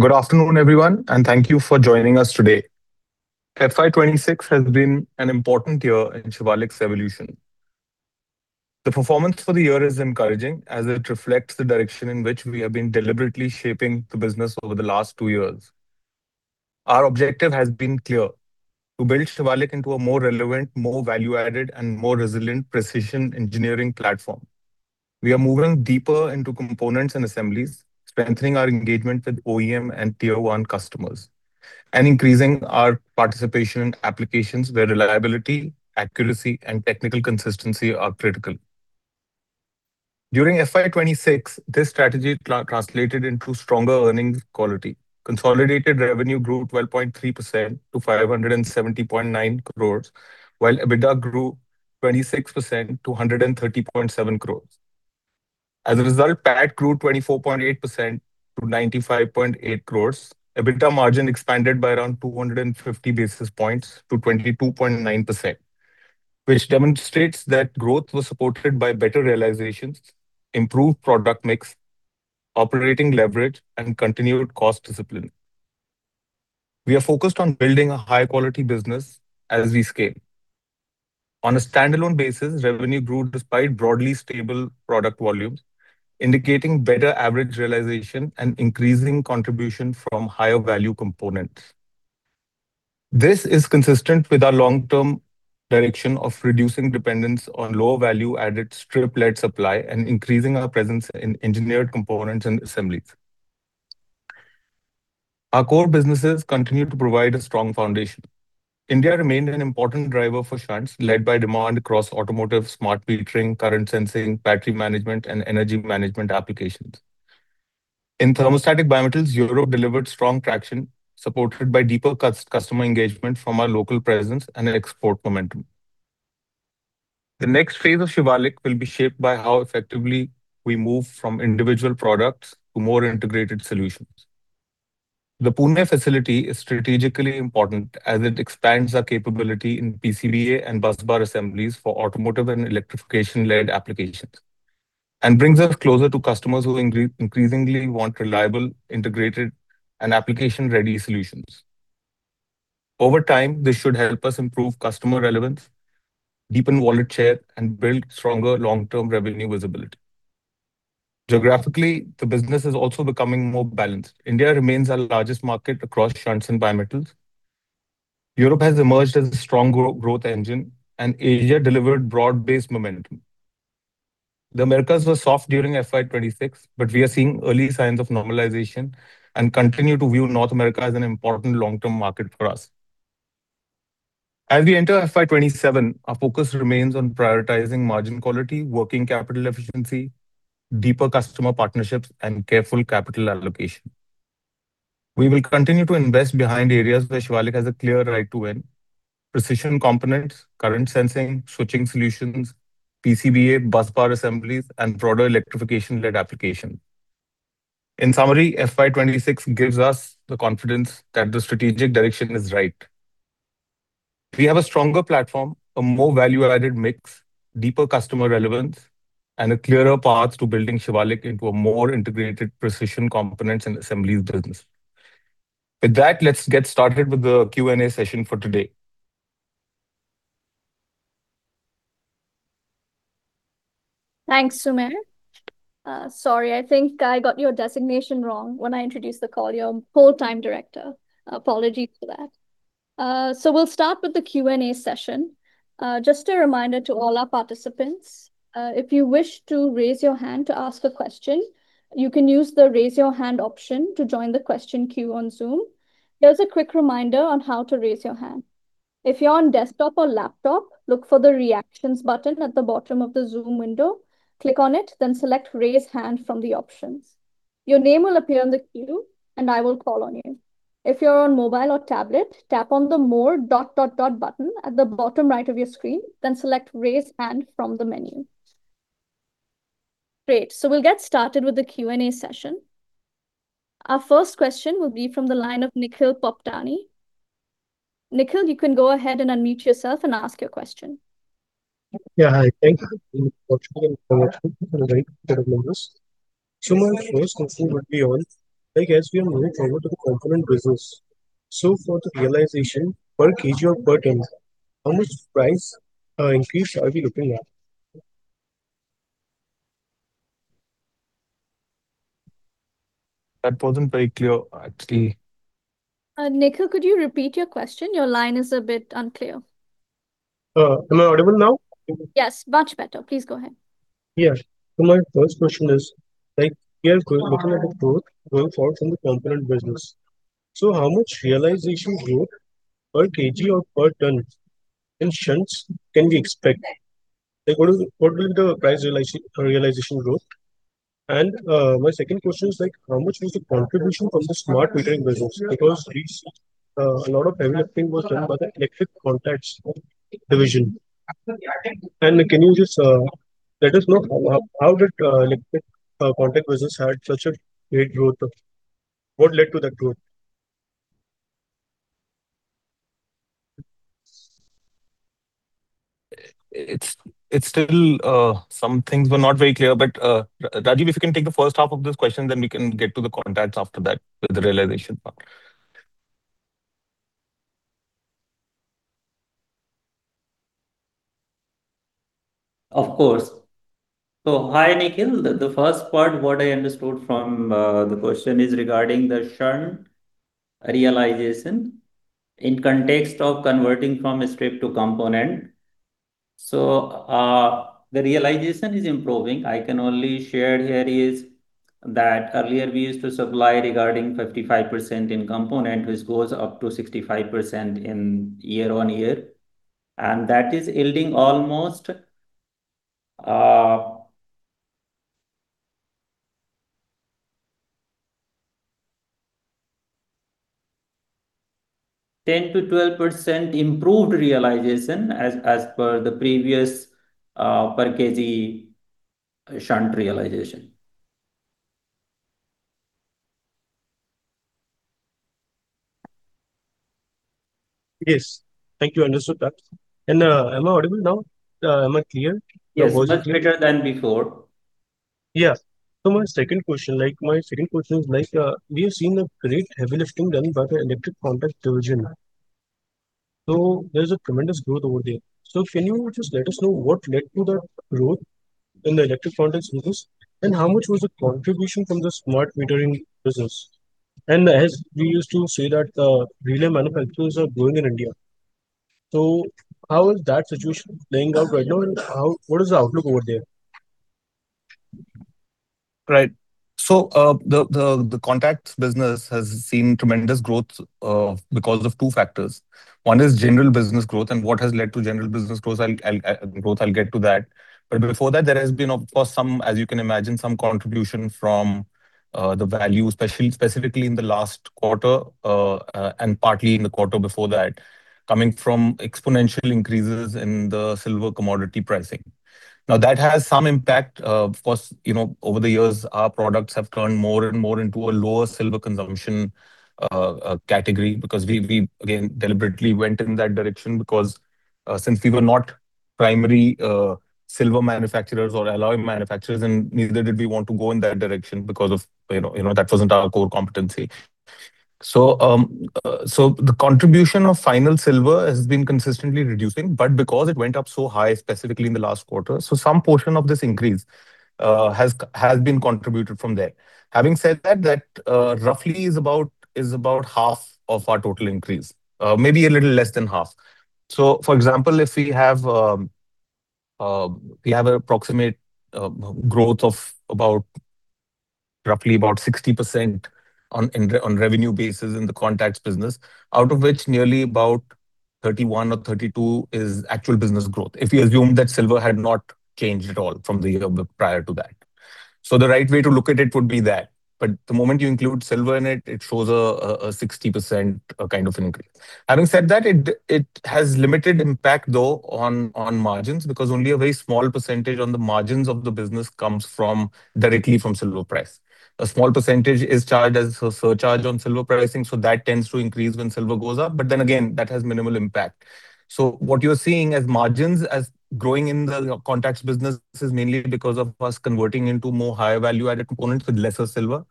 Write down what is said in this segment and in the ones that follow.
Good afternoon, everyone, and thank you for joining us today. FY 2026 has been an important year in Shivalik's evolution. The performance for the year is encouraging as it reflects the direction in which we have been deliberately shaping the business over the last two years. Our objective has been clear: to build Shivalik into a more relevant, more value-added, and more resilient precision engineering platform. We are moving deeper into components and assemblies, strengthening our engagement with OEM and Tier 1 customers, and increasing our participation in applications where reliability, accuracy, and technical consistency are critical. During FY 2026, this strategy translated into stronger earnings quality. Consolidated revenue grew 12.3% to 570.9 crore, while EBITDA grew 26% to 130.7 crore. As a result, PAT grew 24.8% to 95.8 crore, EBITDA margin expanded by around 250 basis points to 22.9%, which demonstrates that growth was supported by better realizations, improved product mix, operating leverage, and continued cost discipline. We are focused on building a high-quality business as we scale. On a standalone basis, revenue grew despite broadly stable product volumes, indicating better average realization and increasing contribution from higher-value components. This is consistent with our long-term direction of reducing dependence on lower-value-added strip-led supply and increasing our presence in engineered components and assemblies. Our core businesses continue to provide a strong foundation. India remained an important driver for shunts, led by demand across automotive, smart metering, current sensing, battery management, and energy management applications. In thermostatic bimetals, Europe delivered strong traction, supported by deeper customer engagement from our local presence and export momentum. The next phase of Shivalik will be shaped by how effectively we move from individual products to more integrated solutions. The Pune facility is strategically important as it expands our capability in PCBA and busbar assemblies for automotive and electrification-led applications, and brings us closer to customers who increasingly want reliable, integrated, and application-ready solutions. Over time, this should help us improve customer relevance, deepen wallet share, and build stronger long-term revenue visibility. Geographically, the business is also becoming more balanced. India remains our largest market across shunts and bimetals. Europe has emerged as a strong growth engine, and Asia delivered broad-based momentum. The Americas were soft during FY 2026, but we are seeing early signs of normalization and continue to view North America as an important long-term market for us. As we enter FY 2027, our focus remains on prioritizing margin quality, working capital efficiency, deeper customer partnerships, and careful capital allocation. We will continue to invest behind areas where Shivalik has a clear right to win: precision components, current sensing, switching solutions, PCBA, busbar assemblies, and broader electrification-led applications. In summary, FY 2026 gives us the confidence that the strategic direction is right. We have a stronger platform, a more value-added mix, deeper customer relevance, and clearer paths to building Shivalik into a more integrated precision components and assemblies business. With that, let's get started with the Q&A session for today. Thanks, Sumer. Sorry, I think I got your designation wrong when I introduced the call. You're a Whole Time Director. Apologies for that. We'll start with the Q&A session. Just a reminder to all our participants: if you wish to raise your hand to ask a question, you can use the "Raise Your Hand" option to join the question queue on Zoom. Here's a quick reminder on how to raise your hand: if you're on desktop or laptop, look for the "Reactions" button at the bottom of the Zoom window, click on it, then select "Raise Hand" from the options. Your name will appear on the queue, and I will call on you. If you're on mobile or tablet, tap on the "More" button at the bottom right of your screen, then select "Raise Hand" from the menu. Great, we'll get started with the Q&A session. Our first question will be from the line of Nikhil Popat. Nikhil, you can go ahead and unmute yourself and ask your question. Yeah, hi. Thanks [inaudible] for a great set of numbers. Sumer first, and. [inaudible] I guess we are moving forward to the component business. For the realization, per kg or per ton, how much price increase are we looking at? That wasn't very clear, actually. Nikhil, could you repeat your question? Your line is a bit unclear. Am I audible now? Yes, much better. Please go ahead. My first question is, we are looking at the growth going forward from the component business. How much realisation growth per kg or per tonne in shunts can we expect? What will be the price realisation growth? My second question is, how much was the contribution from the smart metering business? Because a lot of heavy lifting was done by the electric contacts division. Can you just let us know how the electric contact business had such a great growth? What led to that growth? It's still some things were not very clear. Rajeev, if you can take the first half of this question, then we can get to the contacts after that with the realization part. Of course. Hi, Nikhil. The first part, what I understood from the question, is regarding the shunts realization in the context of converting from strip to component. The realization is improving. I can only share here is that earlier we used to supply regarding 55% in component, which goes up to 65% year-on-year. That is yielding almost 10%-12% improved realization as per the previous per kg shunts realization. Yes, thank you. I understood that. Am I audible now? Am I clear? Yes, much better than before. Yeah. My second question is, we have seen a great heavy lifting done by the electric contact division. There's a tremendous growth over there. Can you just let us know what led to that growth in the electric contacts business, and how much was the contribution from the smart metering business? As we used to say, the relay manufacturers are growing in India. How is that situation playing out right now, and what is the outlook over there? Right. The contacts business has seen tremendous growth because of two factors. One is general business growth, what has led to general business growth, I'll get to that. Before that, there has been, of course, some, as you can imagine, some contribution from the value, specifically in the last quarter and partly in the quarter before that, coming from exponential increases in the silver commodity pricing. That has some impact. Over the years, our products have turned more and more into a lower silver consumption category because we, again, deliberately went in that direction since we were not primary silver manufacturers or alloy manufacturers, neither did we want to go in that direction because that wasn't our core competency. The contribution of fine silver has been consistently reducing, but because it went up so high, specifically in the last quarter, some portion of this increase has been contributed from there. Having said that roughly is about half of our total increase, maybe a little less than half. For example, if we have an approximate growth of roughly about 60% on revenue basis in the contacts business, out of which nearly about 31% or 32% is actual business growth, if we assume that silver had not changed at all from the year prior to that. The right way to look at it would be that. The moment you include silver in it shows a 60% kind of increase. Having said that, it has limited impact, though, on margins because only a very small percentage on the margins of the business comes directly from silver price. That tends to increase when silver goes up. Again, that has minimal impact. What you're seeing as margins growing in the contacts business is mainly because of us converting into more higher-value-added components with lesser silver.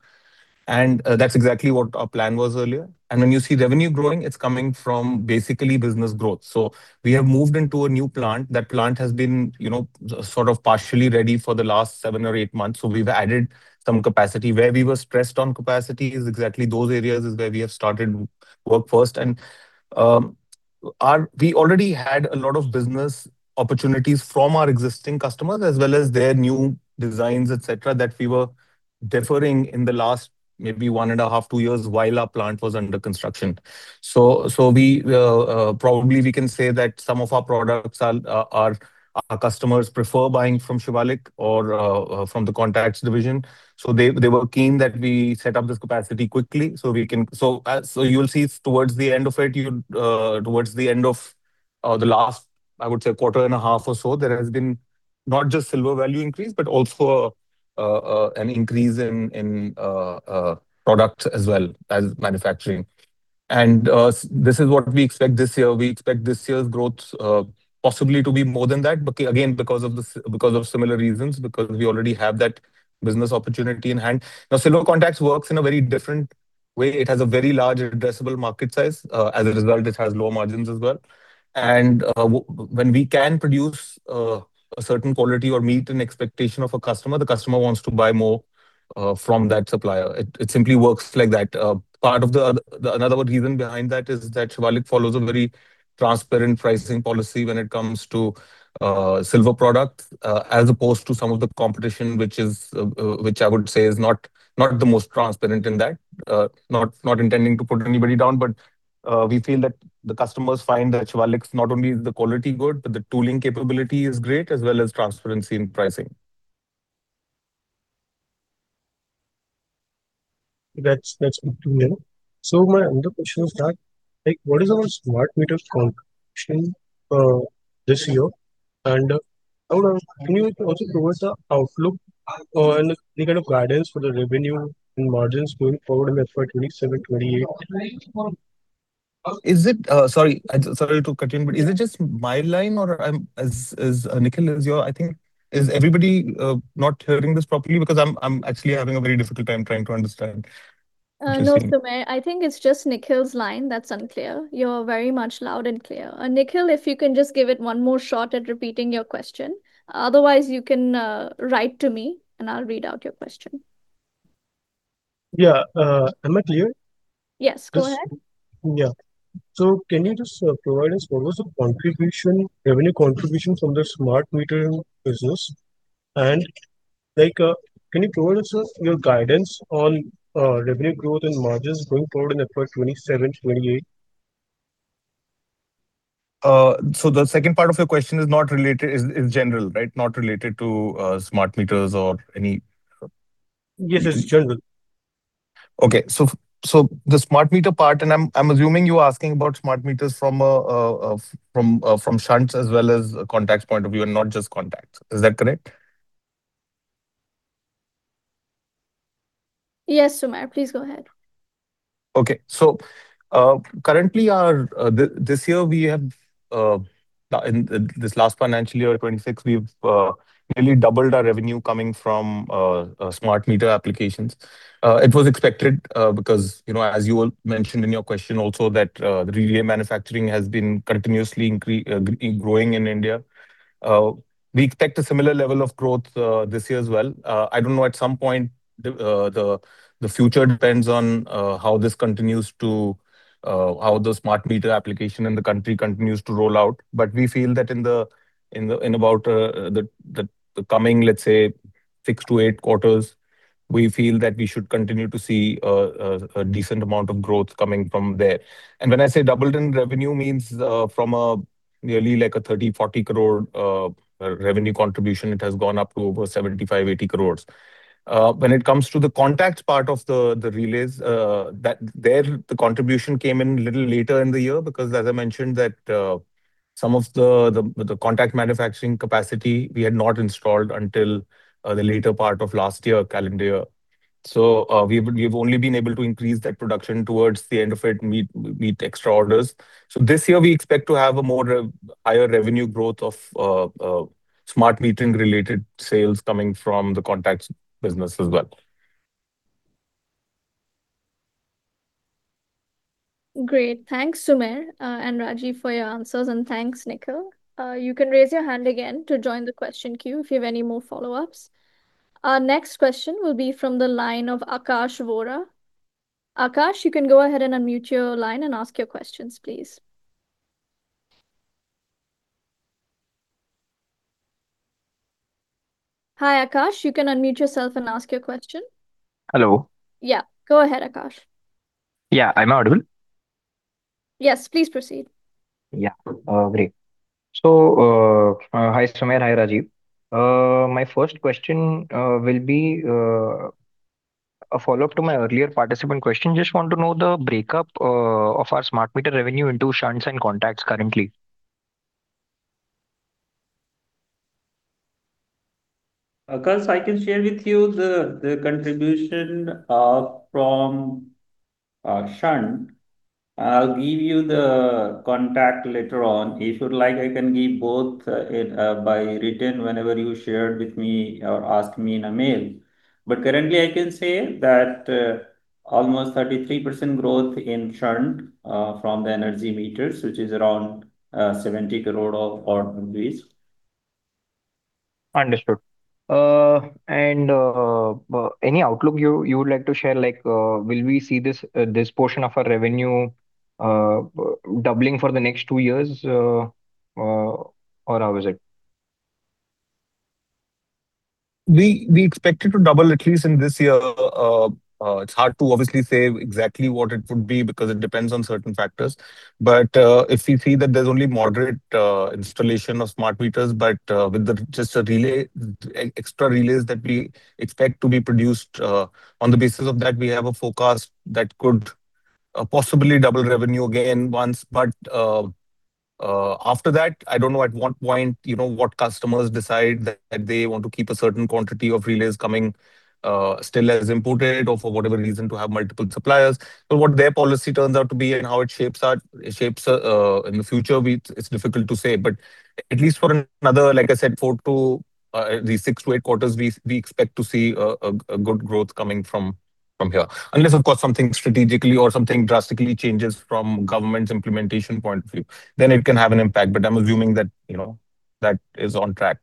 That's exactly what our plan was earlier. When you see revenue growing, it's coming from basically business growth. We have moved into a new plant. That plant has been sort of partially ready for the last seven or eight months, so we've added some capacity. Where we were stressed on capacity is exactly those areas where we have started work first. We already had a lot of business opportunities from our existing customers, as well as their new designs, etc., that we were deferring in the last maybe one and a half to two years while our plant was under construction. Probably we can say that some of our products our customers prefer buying from Shivalik or from the contacts division. They were keen that we set up this capacity quickly. You'll see towards the end of it, towards the end of the last, I would say, quarter and a half or so, there has been not just silver value increase, but also an increase in products as well, as manufacturing. This is what we expect this year. We expect this year's growth possibly to be more than that, again, because of similar reasons, because we already have that business opportunity in hand. Silver contacts works in a very different way. It has a very large addressable market size. It has lower margins as well. When we can produce a certain quality or meet an expectation of a customer, the customer wants to buy more from that supplier. It simply works like that. Another reason behind that is that Shivalik follows a very transparent pricing policy when it comes to silver products, as opposed to some of the competition, which I would say is not the most transparent in that. Not intending to put anybody down, we feel that the customers find that Shivalik's not only the quality good, but the tooling capability is great, as well as transparency in pricing. That's good to hear. My other question is that, what is our smart meter contribution this year? Can you also provide the outlook and any kind of guidance for the revenue and margins going forward in FY 2027/2028? Sorry to cut in, but is it just my line, or is Nikhil, is yours? I think is everybody not hearing this properly? I'm actually having a very difficult time trying to understand. No, Sumer. I think it's just Nikhil's line that's unclear. You're very much loud and clear. Nikhil, if you can just give it one more shot at repeating your question. Otherwise, you can write to me, and I'll read out your question. Yeah. Am I clear? Yes, go ahead. Yeah. Can you just provide us what was the revenue contribution from the smart metering business? Can you provide us your guidance on revenue growth and margins going forward in FY 2027/2028? The second part of your question is not general, right? Not related to smart meters or any? Yes, it's general. Okay. The smart meter part, and I'm assuming you're asking about smart meters from shunts as well as a contacts point of view, and not just contacts. Is that correct? Yes, Sumer. Please go ahead. Okay. Currently, this year, we have in this last financial year, FY 2026, we've nearly doubled our revenue coming from smart meter applications. It was expected because, as you mentioned in your question also, that relay manufacturing has been continuously growing in India. We expect a similar level of growth this year as well. I don't know. At some point, the future depends on how the smart meter application in the country continues to roll out. We feel that in about the coming, let's say, 6-8 quarters, we feel that we should continue to see a decent amount of growth coming from there. When I say doubled in revenue means from nearly a 30 crore, 40 crore revenue contribution, it has gone up to over 75 crore, 80 crore. When it comes to the contacts part of the relays, there, the contribution came in a little later in the year because, as I mentioned, some of the contact manufacturing capacity we had not installed until the later part of last year, calendar year. We've only been able to increase that production towards the end of it and meet extra orders. This year, we expect to have a higher revenue growth of smart metering-related sales coming from the contacts business as well. Great. Thanks, Sumer and Rajeev, for your answers. Thanks, Nikhil. You can raise your hand again to join the question queue if you have any more follow-ups. Our next question will be from the line of Akash Vora. Akash, you can go ahead and unmute your line and ask your questions, please. Hi, Akash. You can unmute yourself and ask your question. Hello? Yeah. Go ahead, Akash. Yeah, I'm audible. Yes, please proceed. Yeah, great. Hi, Sumer. Hi, Rajeev. My first question will be a follow-up to my earlier participant question. Just want to know the breakup of our smart meter revenue into shunts and contacts currently. I can share with you the contribution from shunts, I'll give you the contact later on. If you'd like, I can give both by written whenever you shared with me or asked me in a mail. Currently, I can say that almost 33% growth in shunts from the energy meters, which is around 70 crore. Understood. Any outlook you would like to share? Will we see this portion of our revenue doubling for the next two years, or how is it? We expect it to double at least in this year. It's hard to obviously say exactly what it would be because it depends on certain factors. If we see that there's only moderate installation of smart meters, but with just the extra relays that we expect to be produced, on the basis of that, we have a forecast that could possibly double revenue again once. After that, I don't know at what point what customers decide that they want to keep a certain quantity of relays coming still as imported or for whatever reason to have multiple suppliers. What their policy turns out to be and how it shapes in the future, it's difficult to say. At least for another, like I said, four to these six to eight quarters, we expect to see a good growth coming from here. Unless, of course, something strategically or something drastically changes from government's implementation point of view, then it can have an impact. I'm assuming that that is on track.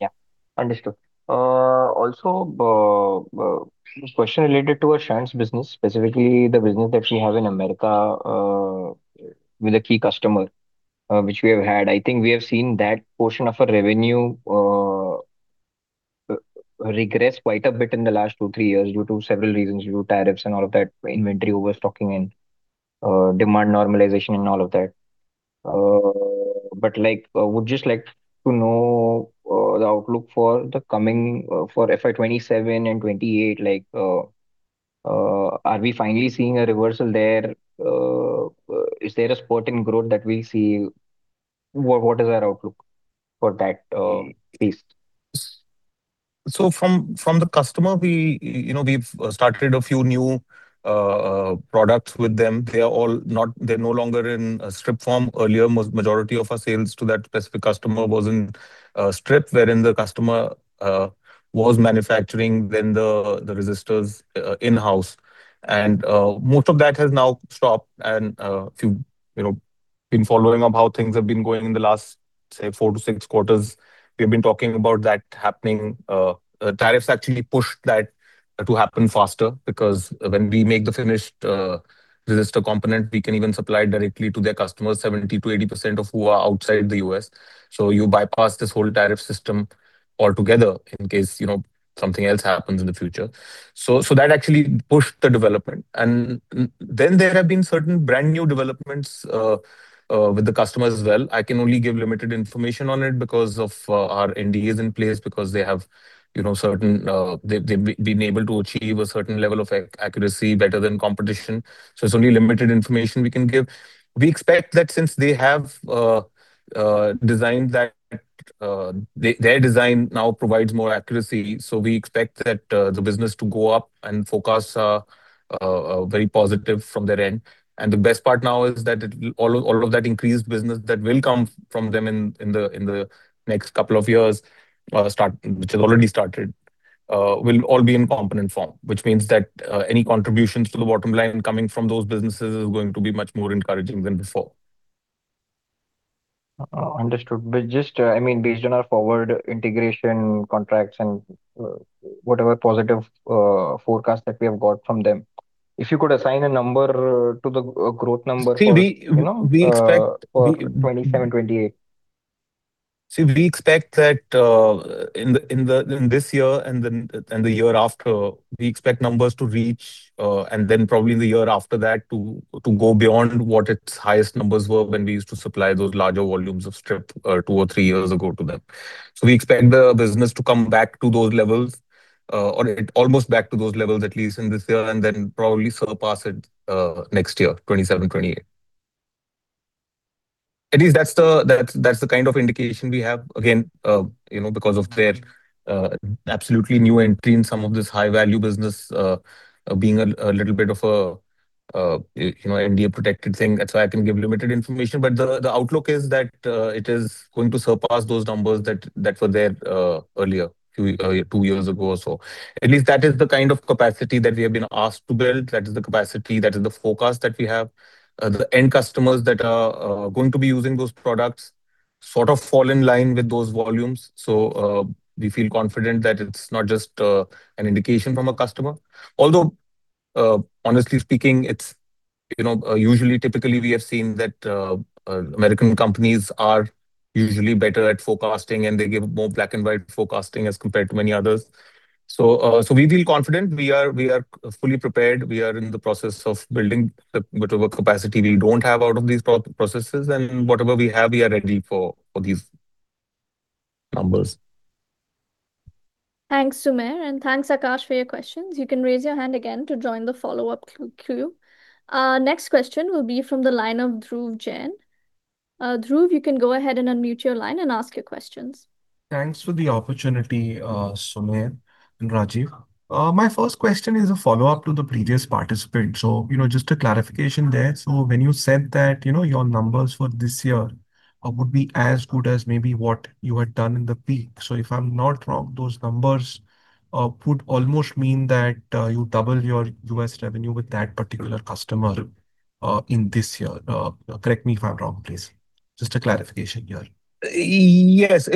Yeah, understood. The question related to our shunts business, specifically the business that we have in America with a key customer, which we have had, I think we have seen that portion of our revenue regress quite a bit in the last two to three years due to several reasons, due to tariffs and all of that, inventory overstocking and demand normalization and all of that. I would just like to know the outlook for FY 2027 and FY 2028. Are we finally seeing a reversal there? Is there a spurt in growth that we'll see? What is our outlook for that, please? From the customer, we've started a few new products with them. They're no longer in strip form. Earlier, the majority of our sales to that specific customer was in strip, wherein the customer was manufacturing then the resistors in-house. Most of that has now stopped. If you've been following up how things have been going in the last, say, four to six quarters, we have been talking about that happening. Tariffs actually pushed that to happen faster because when we make the finished resistor component, we can even supply directly to their customers, 70%-80% of who are outside the U.S. You bypass this whole tariff system altogether in case something else happens in the future. That actually pushed the development. Then there have been certain brand new developments with the customer as well. I can only give limited information on it because of our NDAs in place, because they have been able to achieve a certain level of accuracy better than competition. It's only limited information we can give. We expect that since they have designed that, their design now provides more accuracy. We expect that the business to go up and forecasts are very positive from their end. The best part now is that all of that increased business that will come from them in the next couple of years, which has already started, will all be in component form, which means that any contributions to the bottom line coming from those businesses are going to be much more encouraging than before. Understood. Just, I mean, based on our forward integration contracts and whatever positive forecast that we have got from them, if you could assign a number to the growth number for. See, we expect. For FY 2027/FY 2028. We expect that in this year and the year after, we expect numbers to reach, and then probably in the year after that, to go beyond what its highest numbers were when we used to supply those larger volumes of strip two or three years ago to them. We expect the business to come back to those levels, or almost back to those levels at least in this year, and then probably surpass it next year, 2027/2028. At least that's the kind of indication we have. Again, because of their absolutely new entry in some of this high-value business, being a little bit of an NDA-protected thing, that's why I can give limited information. The outlook is that it is going to surpass those numbers that were there earlier, two years ago or so. At least that is the kind of capacity that we have been asked to build. That is the capacity. That is the forecast that we have. The end customers that are going to be using those products sort of fall in line with those volumes. We feel confident that it's not just an indication from a customer. Although, honestly speaking, usually, typically, we have seen that American companies are usually better at forecasting, and they give more black-and-white forecasting as compared to many others. We feel confident. We are fully prepared. We are in the process of building whatever capacity we don't have out of these processes. Whatever we have, we are ready for these numbers. Thanks, Sumer. Thanks, Akash, for your questions. You can raise your hand again to join the follow-up queue. Next question will be from the line of Dhruv Jain. Dhruv, you can go ahead and unmute your line and ask your questions. Thanks for the opportunity, Sumer and Rajeev. My first question is a follow-up to the previous participant. Just a clarification there. When you said that your numbers for this year would be as good as maybe what you had done in the peak, if I'm not wrong, those numbers would almost mean that you doubled your U.S. revenue with that particular customer in this year. Correct me if I'm wrong, please. Just a clarification here. Yes.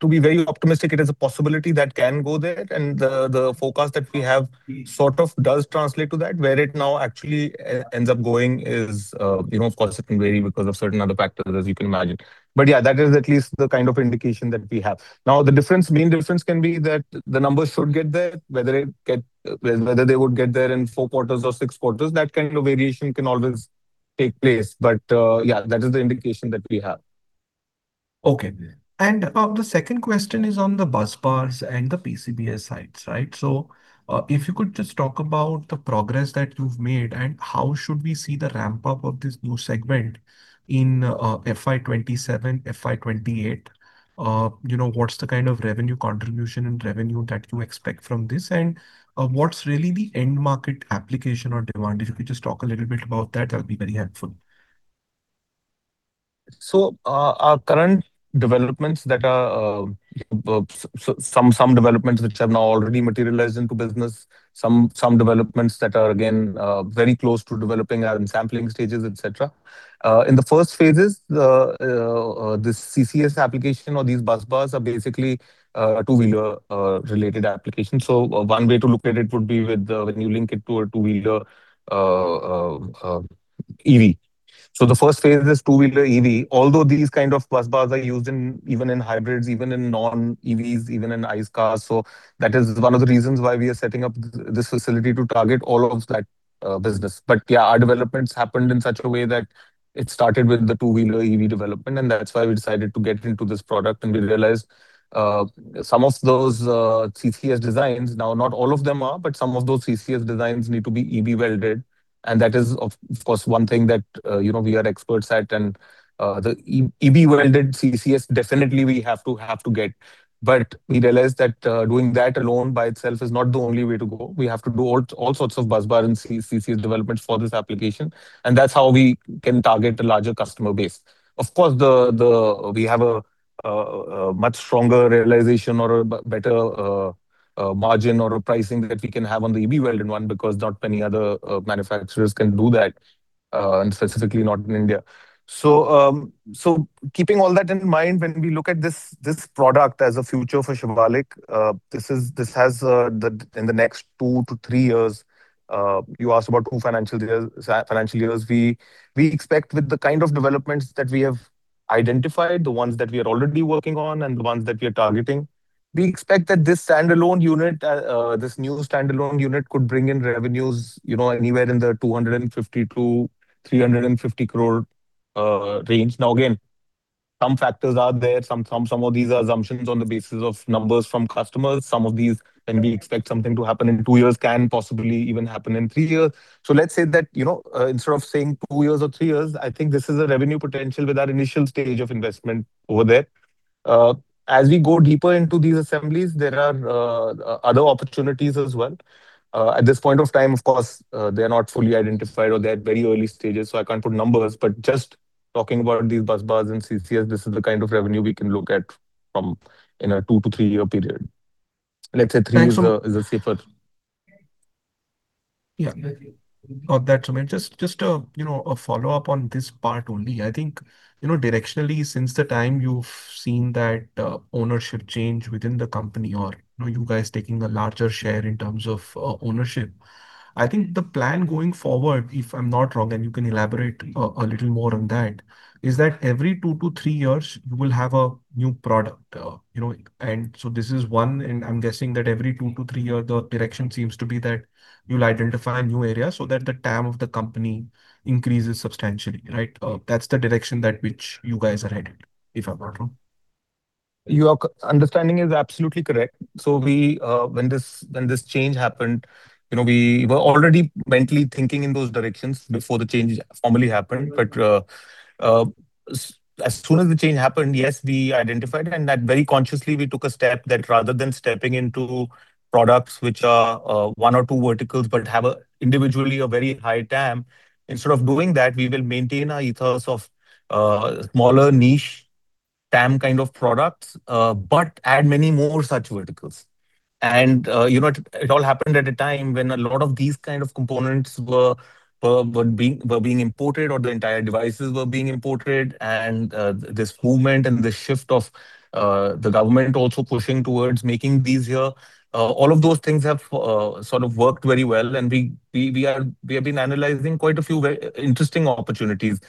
To be very optimistic, it is a possibility that can go there. The forecast that we have sort of does translate to that. Where it now actually ends up going is, of course, it can vary because of certain other factors, as you can imagine. Yeah, that is at least the kind of indication that we have. Now, the main difference can be that the numbers should get there, whether they would get there in four quarters or six quarters. That kind of variation can always take place. Yeah, that is the indication that we have. Okay. The second question is on the busbars and the PCBA side, right? If you could just talk about the progress that you've made and how should we see the ramp-up of this new segment in FY 2027, FY 2028, what's the kind of revenue contribution and revenue that you expect from this, and what's really the end-market application or demand? If you could just talk a little bit about that would be very helpful. Our current developments that are some developments which have now already materialized into business, some developments that are, again, very close to developing, are in sampling stages, etc. In the first phases, this CCS application or these busbars are basically two-wheeler-related applications. One way to look at it would be when you link it to a two-wheeler EV. The first phase is two-wheeler EV, although these kind of busbars are used even in hybrids, even in non-EVs, even in ICE cars. That is one of the reasons why we are setting up this facility to target all of that business. Yeah, our developments happened in such a way that it started with the two-wheeler EV development. That's why we decided to get into this product. We realized some of those CCS designs now, not all of them are, but some of those CCS designs need to be EB-welded. That is, of course, one thing that we are experts at. The EB-welded CCS, definitely, we have to get. We realized that doing that alone by itself is not the only way to go. We have to do all sorts of busbar and CCS developments for this application. That's how we can target a larger customer base. Of course, we have a much stronger realization or a better margin or a pricing that we can have on the EB-welded one because not many other manufacturers can do that, and specifically not in India. Keeping all that in mind, when we look at this product as a future for Shivalik, this has in the next two to three years. You asked about two financial years. We expect, with the kind of developments that we have identified, the ones that we are already working on and the ones that we are targeting, we expect that this standalone unit, this new standalone unit, could bring in revenues anywhere in the 250 crore-350 crore range. Again, some factors are there. Some of these are assumptions on the basis of numbers from customers. Some of these, when we expect something to happen in two years, can possibly even happen in three years. Let's say that instead of saying two years or three years, I think this is a revenue potential with our initial stage of investment over there. As we go deeper into these assemblies, there are other opportunities as well. At this point of time, of course, they are not fully identified or they're at very early stages. I can't put numbers. Just talking about these busbars and CCS, this is the kind of revenue we can look at in a two to three-year period. Let's say three years is a safer. Yeah. Not that, Sumer. Just a follow-up on this part only. I think directionally, since the time you've seen that ownership change within the company or you guys taking a larger share in terms of ownership, I think the plan going forward, if I'm not wrong, and you can elaborate a little more on that, is that every 2-3 years, you will have a new product. This is one. I'm guessing that every 2-3 years, the direction seems to be that you'll identify new areas so that the TAM of the company increases substantially, right? That's the direction that which you guys are headed, if I'm not wrong. Your understanding is absolutely correct. When this change happened, we were already mentally thinking in those directions before the change formally happened. As soon as the change happened, yes, we identified it. Very consciously, we took a step that rather than stepping into products which are one or two verticals but have individually a very high TAM, instead of doing that, we will maintain our ethos of smaller niche TAM kind of products but add many more such verticals. It all happened at a time when a lot of these kind of components were being imported or the entire devices were being imported. This movement and the shift of the government also pushing towards making these here, all of those things have sort of worked very well. We have been analyzing quite a few interesting opportunities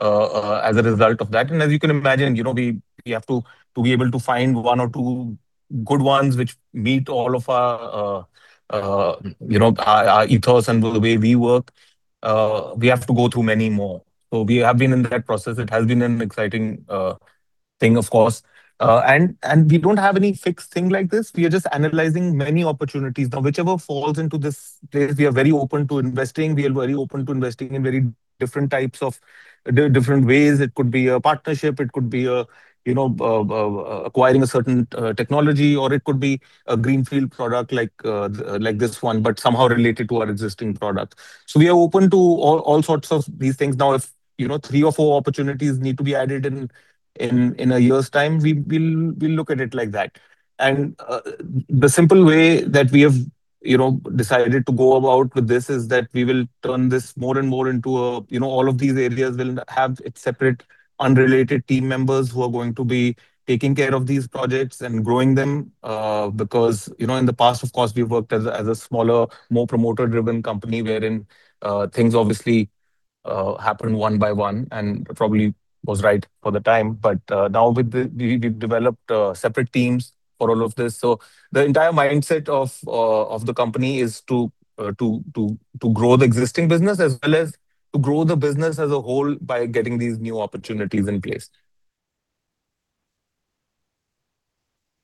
as a result of that. As you can imagine, we have to be able to find one or two good ones which meet all of our ethos and the way we work. We have to go through many more. We have been in that process. It has been an exciting thing, of course. We don't have any fixed thing like this. We are just analyzing many opportunities. Whichever falls into this place, we are very open to investing. We are very open to investing in very different types of different ways. It could be a partnership. It could be acquiring a certain technology. It could be a greenfield product like this one but somehow related to our existing product. We are open to all sorts of these things. If three or four opportunities need to be added in a year's time, we'll look at it like that. The simple way that we have decided to go about with this is that we will turn this more and more into a all of these areas will have its separate, unrelated team members who are going to be taking care of these projects and growing them. In the past, of course, we've worked as a smaller, more promoter-driven company wherein things obviously happened one by one and probably was right for the time. Now, we've developed separate teams for all of this. The entire mindset of the company is to grow the existing business as well as to grow the business as a whole by getting these new opportunities in place.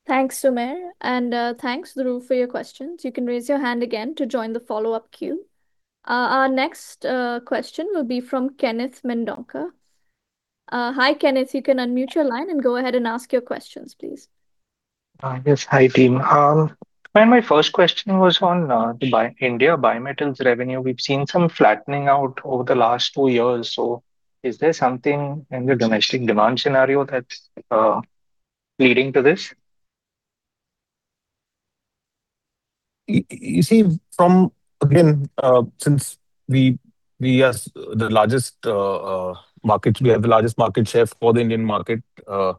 Thanks, Sumer. Thanks, Dhruv, for your questions. You can raise your hand again to join the follow-up queue. Our next question will be from Kenneth Mendonca. Hi, Kenneth. You can unmute your line and go ahead and ask your questions, please. Yes. Hi, team. When my first question was on Shivalik Bimetal Controls' revenue, we've seen some flattening out over the last two years. Is there something in the domestic demand scenario that's leading to this? You see, again, since we are the largest market, we have the largest market share for the Indian market. That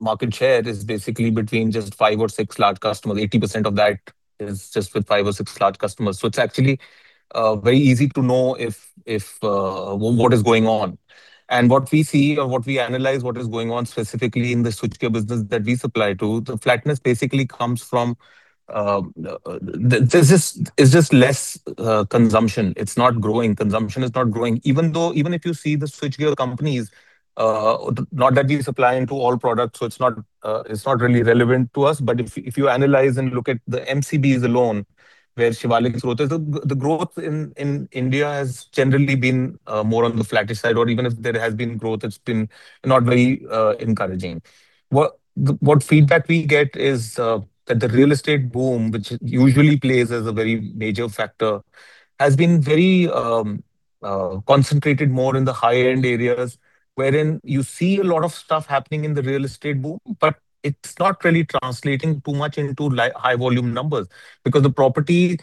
market share is basically between just five or six large customers. 80% of that is just with five or six large customers. It's actually very easy to know what is going on. What we see or what we analyze, what is going on specifically in the switchgear business that we supply to, the flatness basically comes from there's just less consumption. It's not growing. Consumption is not growing. Even if you see the switchgear companies, not that we supply into all products, so it's not really relevant to us. If you analyze and look at the MCBs alone, where Shivalik growth is, the growth in India has generally been more on the flattish side. Even if there has been growth, it's been not very encouraging. What feedback we get is that the real estate boom, which usually plays as a very major factor, has been very concentrated more in the high-end areas wherein you see a lot of stuff happening in the real estate boom. It's not really translating too much into high-volume numbers because the property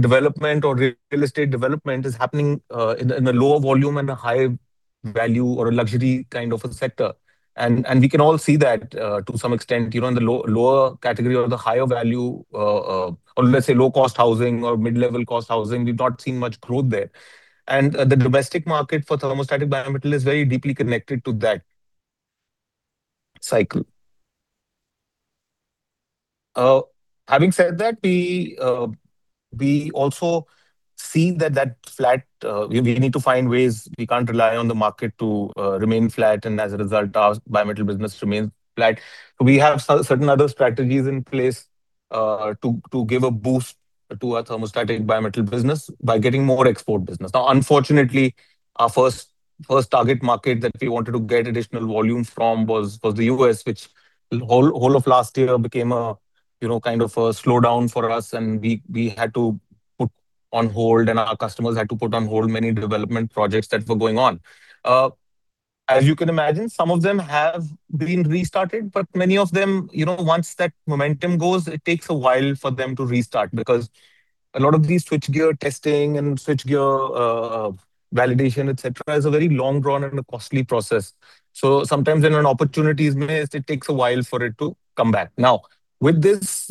development or real estate development is happening in a lower volume and a high-value or a luxury kind of a sector. We can all see that to some extent in the lower category or the higher value, or let's say low-cost housing or mid-level cost housing. We've not seen much growth there. The domestic market for thermostatic bimetal is very deeply connected to that cycle. Having said that, we also see that flat we need to find ways. We can't rely on the market to remain flat. As a result, our bimetal business remains flat. We have certain other strategies in place to give a boost to our thermostatic bimetal business by getting more export business. Unfortunately, our first target market that we wanted to get additional volume from was the U.S., which whole of last year became a kind of a slowdown for us. We had to put on hold, and our customers had to put on hold many development projects that were going on. As you can imagine, some of them have been restarted. Many of them, once that momentum goes, it takes a while for them to restart because a lot of these switchgear testing and switchgear validation, etc., is a very long-drawn and a costly process. Sometimes, when an opportunity is missed, it takes a while for it to come back. With these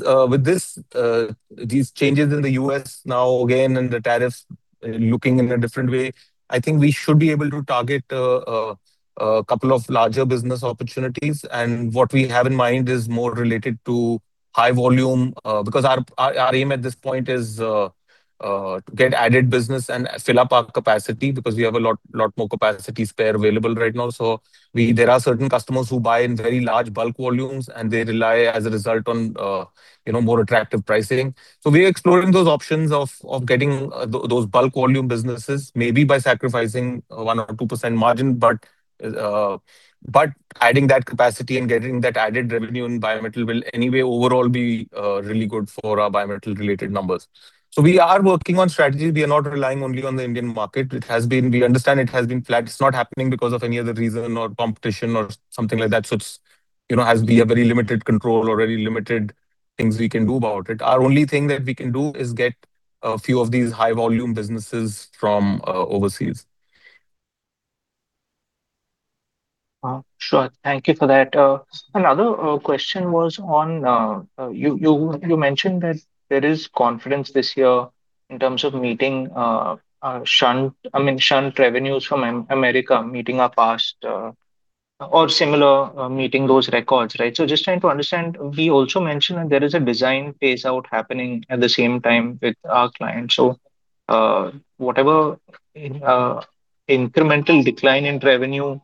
changes in the U.S. now, again, and the tariffs looking in a different way, I think we should be able to target a couple of larger business opportunities. What we have in mind is more related to high volume because our aim at this point is to get added business and fill up our capacity because we have a lot more capacity spare available right now. There are certain customers who buy in very large bulk volumes, and they rely, as a result, on more attractive pricing. We are exploring those options of getting those bulk volume businesses, maybe by sacrificing 1% or 2% margin. Adding that capacity and getting that added revenue in bimetal will anyway, overall, be really good for our bimetal-related numbers. We are working on strategies. We are not relying only on the Indian market. We understand it has been flat. It's not happening because of any other reason or competition or something like that. It has to be a very limited control or very limited things we can do about it. Our only thing that we can do is get a few of these high-volume businesses from overseas. Sure. Thank you for that. Another question was on you mentioned that there is confidence this year in terms of meeting shunt revenues from America, meeting our past or similar meeting those records, right? Just trying to understand, we also mentioned that there is a design phase out happening at the same time with our client. Whatever incremental decline in revenue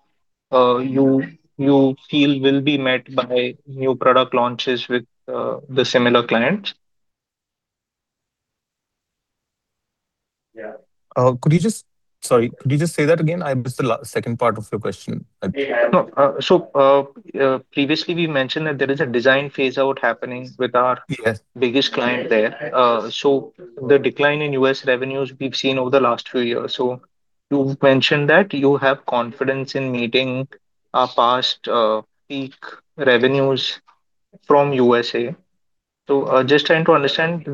you feel will be met by new product launches with the similar clients? Yeah. Sorry. Could you just say that again? I missed the second part of your question. No. Previously, we mentioned that there is a design phase-out happening with our biggest client there. The decline in U.S. revenues we've seen over the last few years. You've mentioned that you have confidence in meeting our past peak revenues from U.S.A. Just trying to understand,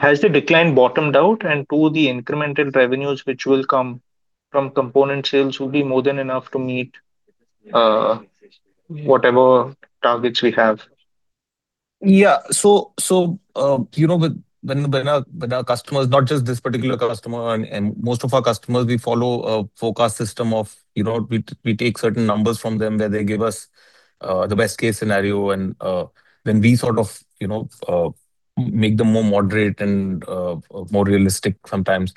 has the decline bottomed out? To the incremental revenues which will come from component sales, will be more than enough to meet whatever targets we have? With our customers, not just this particular customer. Most of our customers, we follow a forecast system of we take certain numbers from them where they give us the best-case scenario. We sort of make them more moderate and more realistic sometimes.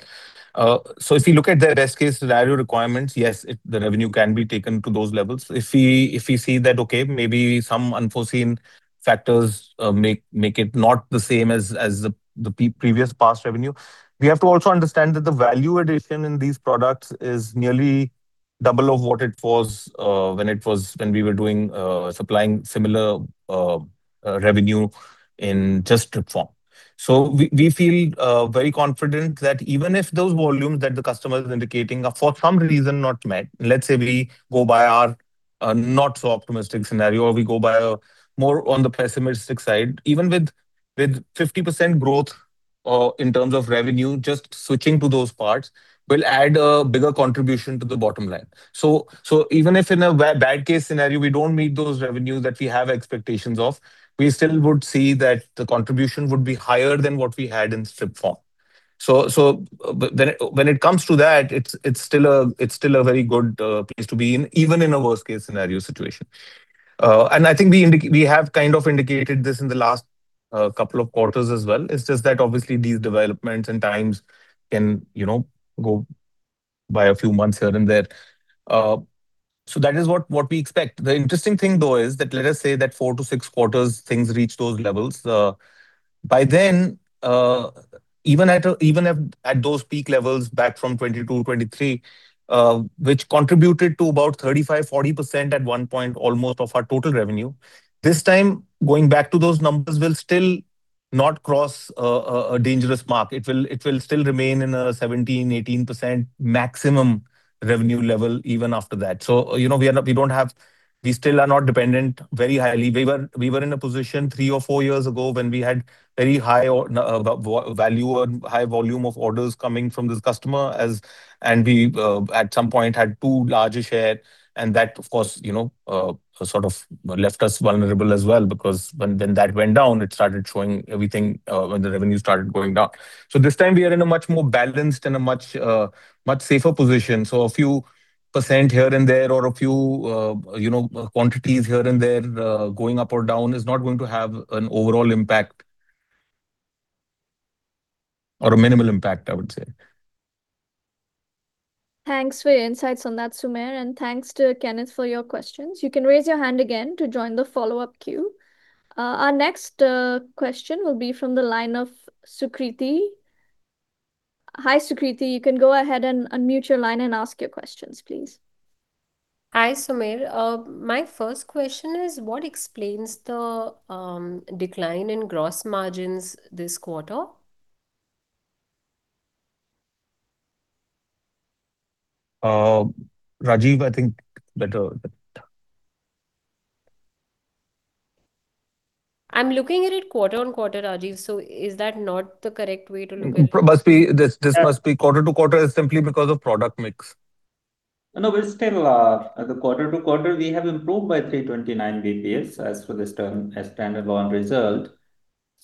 If we look at their best-case scenario requirements, yes, the revenue can be taken to those levels. If we see that, okay, maybe some unforeseen factors make it not the same as the previous past revenue, we have to also understand that the value addition in these products is nearly double of what it was when we were supplying similar revenue in just strip form. We feel very confident that even if those volumes that the customer is indicating are for some reason not met, let's say we go by our not-so-optimistic scenario or we go by a more on the pessimistic side, even with 50% growth in terms of revenue, just switching to those parts will add a bigger contribution to the bottom line. Even if in a bad-case scenario, we don't meet those revenues that we have expectations of, we still would see that the contribution would be higher than what we had in strip form. When it comes to that, it's still a very good place to be in, even in a worst-case scenario situation. I think we have kind of indicated this in the last couple of quarters as well. Just that, obviously, these developments and times can go by a few months here and there. That is what we expect. The interesting thing, though, is that let us say that four to six quarters, things reach those levels. By then, even at those peak levels back from 2022, 2023, which contributed to about 35%-40% at one point almost of our total revenue, this time, going back to those numbers will still not cross a dangerous mark. It will still remain in a 17%-18% maximum revenue level even after that. We still are not dependent very highly. We were in a position three or four years ago when we had very high value and high volume of orders coming from this customer. We, at some point, had too large a share. That, of course, sort of left us vulnerable as well because when that went down, it started showing everything when the revenue started going down. This time, we are in a much more balanced and a much safer position. A few % here and there or a few quantities here and there going up or down is not going to have an overall impact or a minimal impact, I would say. Thanks for your insights on that, Sumer. Thanks to Kenneth for your questions. You can raise your hand again to join the follow-up queue. Our next question will be from the line of Sukriti. Hi, Sukriti. You can go ahead and unmute your line and ask your questions, please. Hi, Sumer. My first question is, what explains the decline in gross margins this quarter? Rajeev, I think. Better. I'm looking at it quarter-on-quarter, Rajeev. Is that not the correct way to look at it? This must be quarter-to-quarter simply because of product mix. No, but still, the quarter to quarter, we have improved by 329 bps as for this standalone result.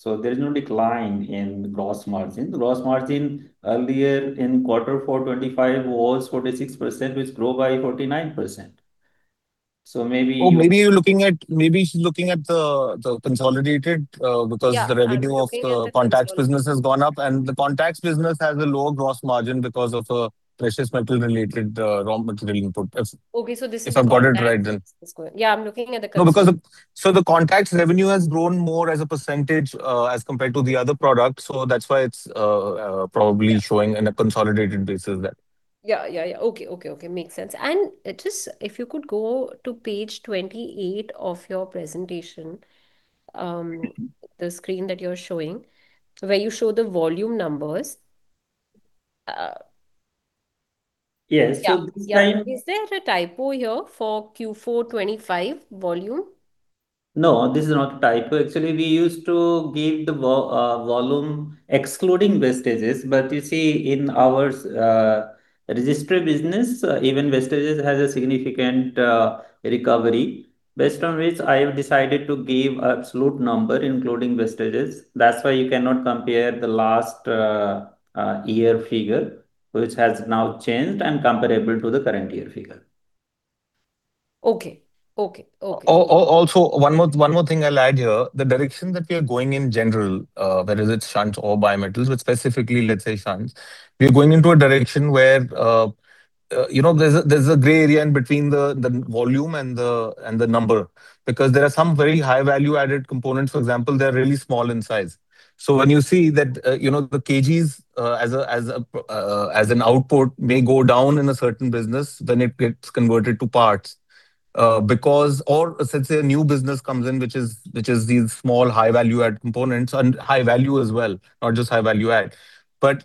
There is no decline in gross margin. The gross margin earlier in quarter four, 2025 was 46%, which grew by 49%. Maybe she's looking at the consolidated because the revenue of the contacts business has gone up. The contacts business has a lower gross margin because of a precious metal-related raw material input. If I've got it right, then. Yeah, I'm looking at the contacts. The contacts revenue has grown more as a percentage as compared to the other product. That's why it's probably showing in a consolidated basis that. Yeah, yeah. Okay, okay. Makes sense. Just if you could go to page 28 of your presentation, the screen that you're showing where you show the volume numbers. Yes. This time. Is there a typo here for Q4/2025 volume? No, this is not a typo. Actually, we used to give the volume excluding wastages. You see, in our resistor business, even wastages has a significant recovery based on which I have decided to give an absolute number including wastages. That's why you cannot compare the last-year figure, which has now changed and comparable to the current-year figure. Okay, okay. One more thing I'll add here. The direction that we are going in general, whether it's shunts or bimetals, but specifically, let's say shunts, we are going into a direction where there's a gray area in between the volume and the number because there are some very high-value-added components. For example, they are really small in size. When you see that the kgs as an output may go down in a certain business, then it gets converted to parts because or, let's say, a new business comes in which is these small high-value-added components and high-value as well, not just high-value-added.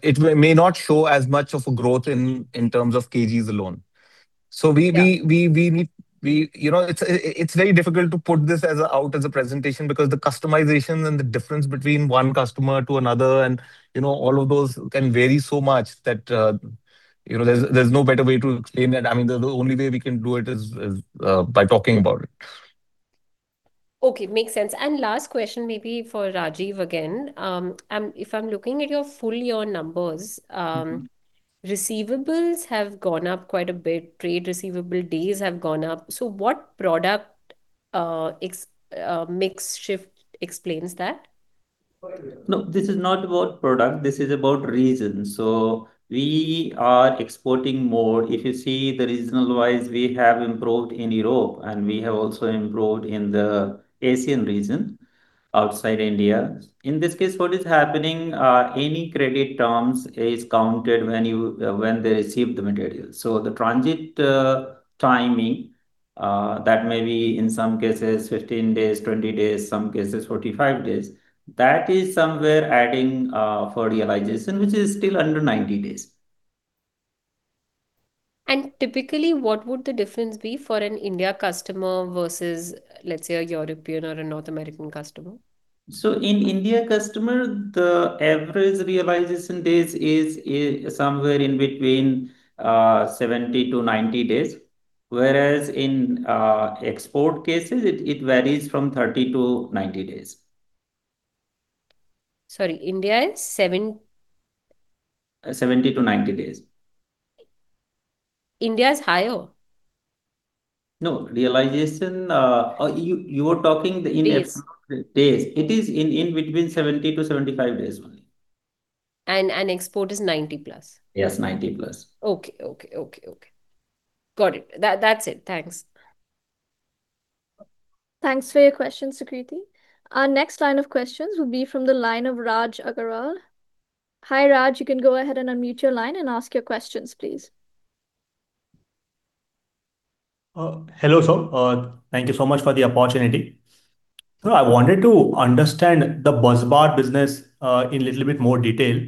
It may not show as much of a growth in terms of kgs alone. It's very difficult to put this out as a presentation because the customizations and the difference between one customer to another and all of those can vary so much that there's no better way to explain that. I mean, the only way we can do it is by talking about it. Okay, makes sense. Last question maybe for Rajeev again. If I'm looking at your full-year numbers, receivables have gone up quite a bit. Trade receivable days have gone up. What product mix shift explains that? No, this is not about product. This is about region. We are exporting more. If you see the regional-wise, we have improved in Europe. We have also improved in the Asian region outside India. In this case, what is happening, any credit terms are counted when they receive the materials. The transit timing, that may be in some cases 15 days, 20 days, some cases 45 days, that is somewhere adding for realization, which is still under 90 days. Typically, what would the difference be for an India customer versus, let's say, a European or a North American customer? In India customer, the average realization days is somewhere in between 70-90 days. Whereas in export cases, it varies from 30-90 days. Sorry. India is 70? 70-90 days. India is higher? No, realization you were talking in export days. It is in between 70-75 days only. Export is 90+? Yes, 90+. Okay. Got it. That's it. Thanks. Thanks for your question, Sukriti. Our next line of questions will be from the line of Raj Agarwal. Hi, Raj. You can go ahead and unmute your line and ask your questions, please. Hello, sir. Thank you so much for the opportunity. I wanted to understand the busbar business in a little bit more detail.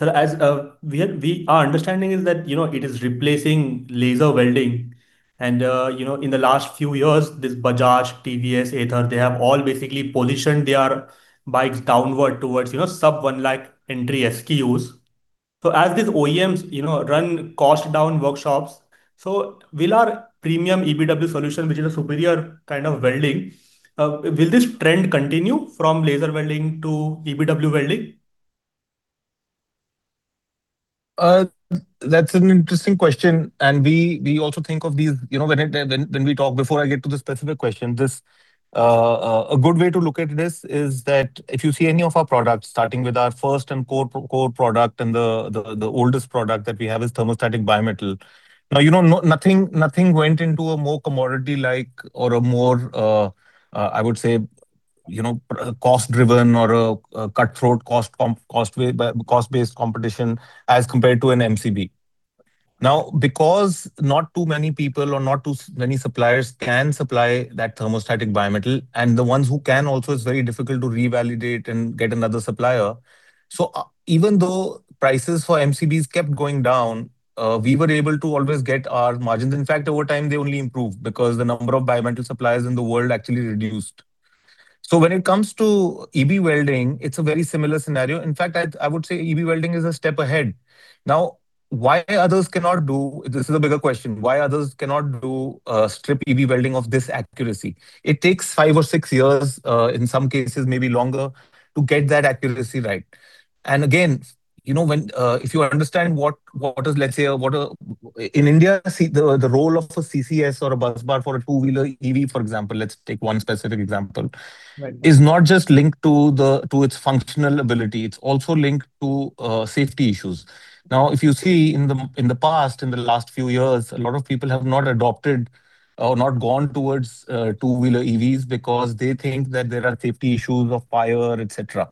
As we are understanding, it is replacing laser welding. In the last few years, this Bajaj, TVS, Ather, they have all basically positioned their bikes downward towards sub-1 lakh entry SKUs. As these OEMs run cost-down workshops, so will our premium EBW solution, which is a superior kind of welding, will this trend continue from laser welding to EBW welding? That's an interesting question. We also think of these when we talk before I get to the specific question, a good way to look at this is that if you see any of our products, starting with our first and core product and the oldest product that we have is thermostatic bimetal. Nothing went into a more commodity-like or a more, I would say, cost-driven or a cutthroat cost-based competition as compared to an MCB. Because not too many people or not too many suppliers can supply that thermostatic bimetal, and the ones who can also is very difficult to revalidate and get another supplier. Even though prices for MCBs kept going down, we were able to always get our margins. In fact, over time, they only improved because the number of bimetal suppliers in the world actually reduced. When it comes to EB-welding, it's a very similar scenario. In fact, I would say EB-welding is a step ahead. Why others cannot do this is a bigger question. Why others cannot do strip EB-welding of this accuracy? It takes five or six years, in some cases, maybe longer to get that accuracy right. Again, if you understand what is, let's say, in India, the role of a CCS or a busbar for a two-wheeler EV, for example, let's take one specific example, is not just linked to its functional ability. It is also linked to safety issues. If you see in the past, in the last few years, a lot of people have not adopted or not gone towards two-wheeler EVs because they think that there are safety issues of fire, etc.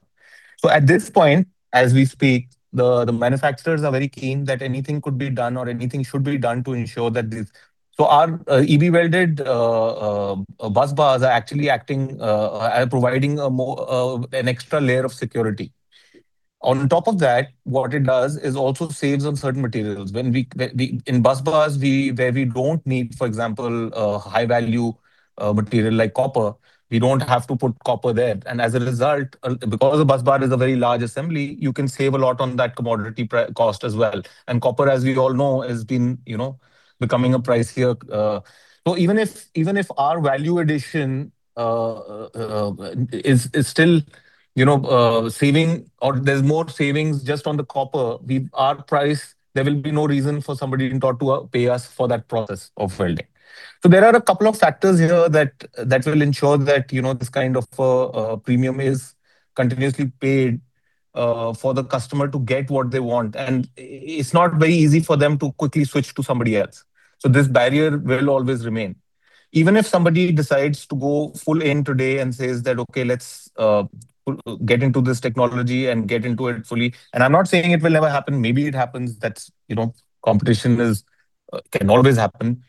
At this point, as we speak, the manufacturers are very keen that anything could be done or anything should be done to ensure that our EB-welded busbars are actually acting as providing an extra layer of security. On top of that, what it does is also saves on certain materials. In busbars, where we don't need, for example, high-value material like copper, we don't have to put copper there. As a result, because a busbar is a very large assembly, you can save a lot on that commodity cost as well. Copper, as we all know, has been becoming pricier. Even if our value addition is still saving or there's more savings just on the copper, our price, there will be no reason for somebody to pay us for that process of welding. There are a couple of factors here that will ensure that this kind of premium is continuously paid for the customer to get what they want. It's not very easy for them to quickly switch to somebody else. This barrier will always remain. Even if somebody decides to go full in today and says that, "Okay, let's get into this technology and get into it fully." I'm not saying it will never happen. Maybe it happens. Competition can always happen.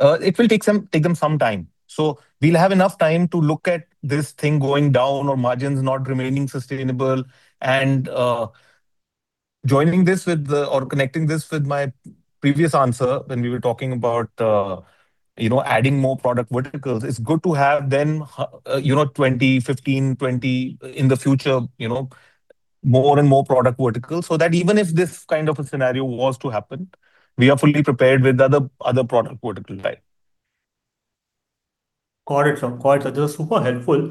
It will take them some time. We'll have enough time to look at this thing going down or margins not remaining sustainable. Joining this with or connecting this with my previous answer when we were talking about adding more product verticals, it's good to have then 20, 15, 20 in the future, more and more product verticals so that even if this kind of a scenario was to happen, we are fully prepared with other product vertical types. Got it, sir. Got it. That's super helpful.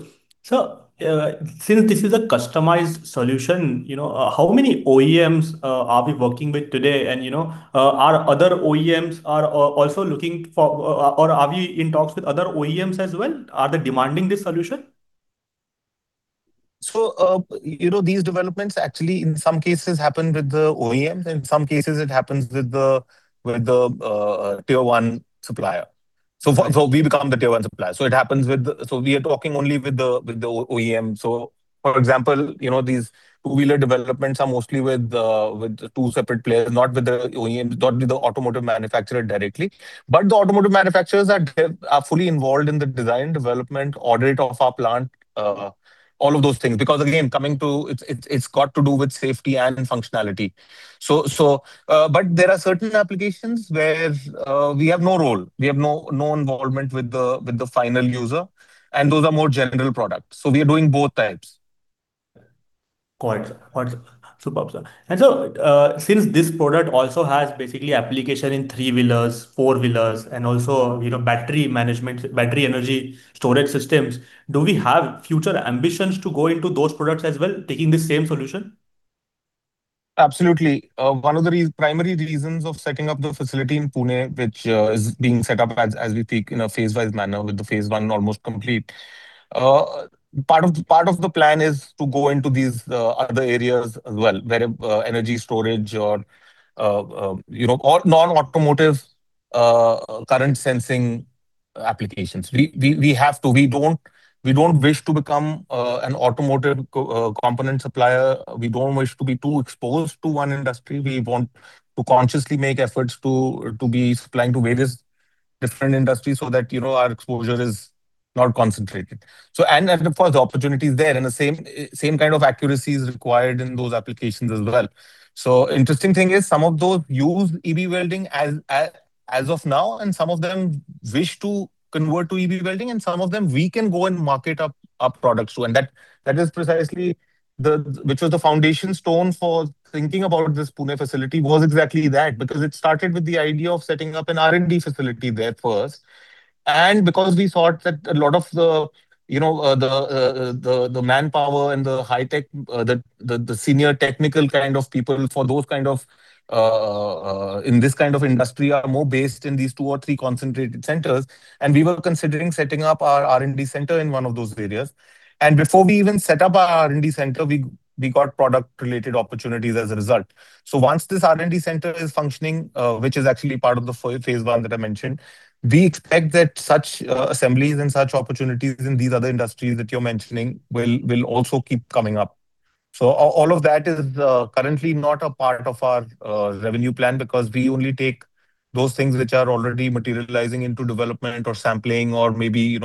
Sir, since this is a customized solution, how many OEMs are we working with today? Are other OEMs also looking for or are we in talks with other OEMs as well? Are they demanding this solution? These developments actually, in some cases, happen with the OEMs. In some cases, it happens with the Tier 1 supplier. We become the Tier 1 supplier. It happens with the we are talking only with the OEM. For example, these two-wheeler developments are mostly with two separate players, not with the OEMs, not with the automotive manufacturer directly. The automotive manufacturers are fully involved in the design, development, audit of our plant, all of those things. Again, it's got to do with safety and functionality. There are certain applications where we have no role. We have no involvement with the final user. Those are more general products. We are doing both types. Got it. Got it. Superb, Sir. Since this product also has basically application in three-wheelers, four-wheelers, and also battery energy storage systems, do we have future ambitions to go into those products as well, taking the same solution? Absolutely. One of the primary reasons for setting up the facility in Pune, which is being set up as we speak in a phase-wise manner with the phase one almost complete, part of the plan is to go into these other areas as well where energy storage or non-automotive current sensing applications. We have to. We don't wish to become an automotive component supplier. We don't wish to be too exposed to one industry. We want to consciously make efforts to be supplying to various different industries so that our exposure is not concentrated. Of course, the opportunity is there. The same kind of accuracies are required in those applications as well. The interesting thing is some of those use EB-welding as of now. Some of them wish to convert to EB-welding. Some of them, we can go and market our products too. That is precisely which was the foundation stone for thinking about this Pune facility was exactly that because it started with the idea of setting up an R&D facility there first. Because we thought that a lot of the manpower and the senior technical kind of people for those kind of in this kind of industry are more based in these two or three concentrated centers. We were considering setting up our R&D center in one of those areas. Before we even set up our R&D center, we got product-related opportunities as a result. Once this R&D center is functioning, which is actually part of the phase one that I mentioned, we expect that such assemblies and such opportunities in these other industries that you're mentioning will also keep coming up. All of that is currently not a part of our revenue plan because we only take those things which are already materializing into development or sampling or maybe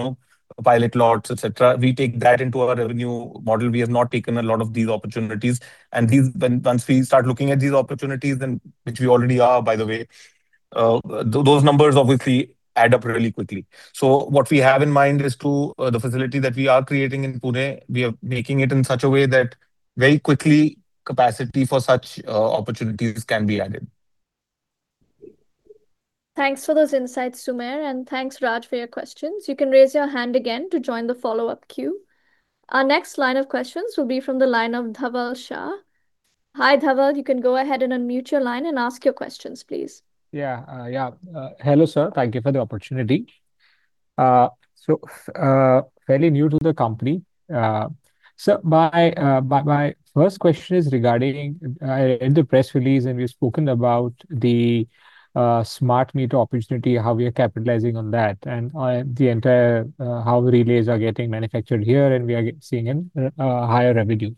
pilot lots, etc. We take that into our revenue model. We have not taken a lot of these opportunities. Once we start looking at these opportunities, which we already are, by the way, those numbers obviously add up really quickly. What we have in mind is to the facility that we are creating in Pune, we are making it in such a way that very quickly, capacity for such opportunities can be added. Thanks for those insights, Sumer. Thanks, Raj, for your questions. You can raise your hand again to join the follow-up queue. Our next line of questions will be from the line of Dhaval Shah. Hi, Dhaval. You can go ahead and unmute your line and ask your questions, please. Hello, Sir. Thank you for the opportunity. Fairly new to the company. My first question is regarding I read the press release, and we've spoken about the smart meter opportunity, how we are capitalizing on that, and the entire how relays are getting manufactured here, and we are seeing higher revenue.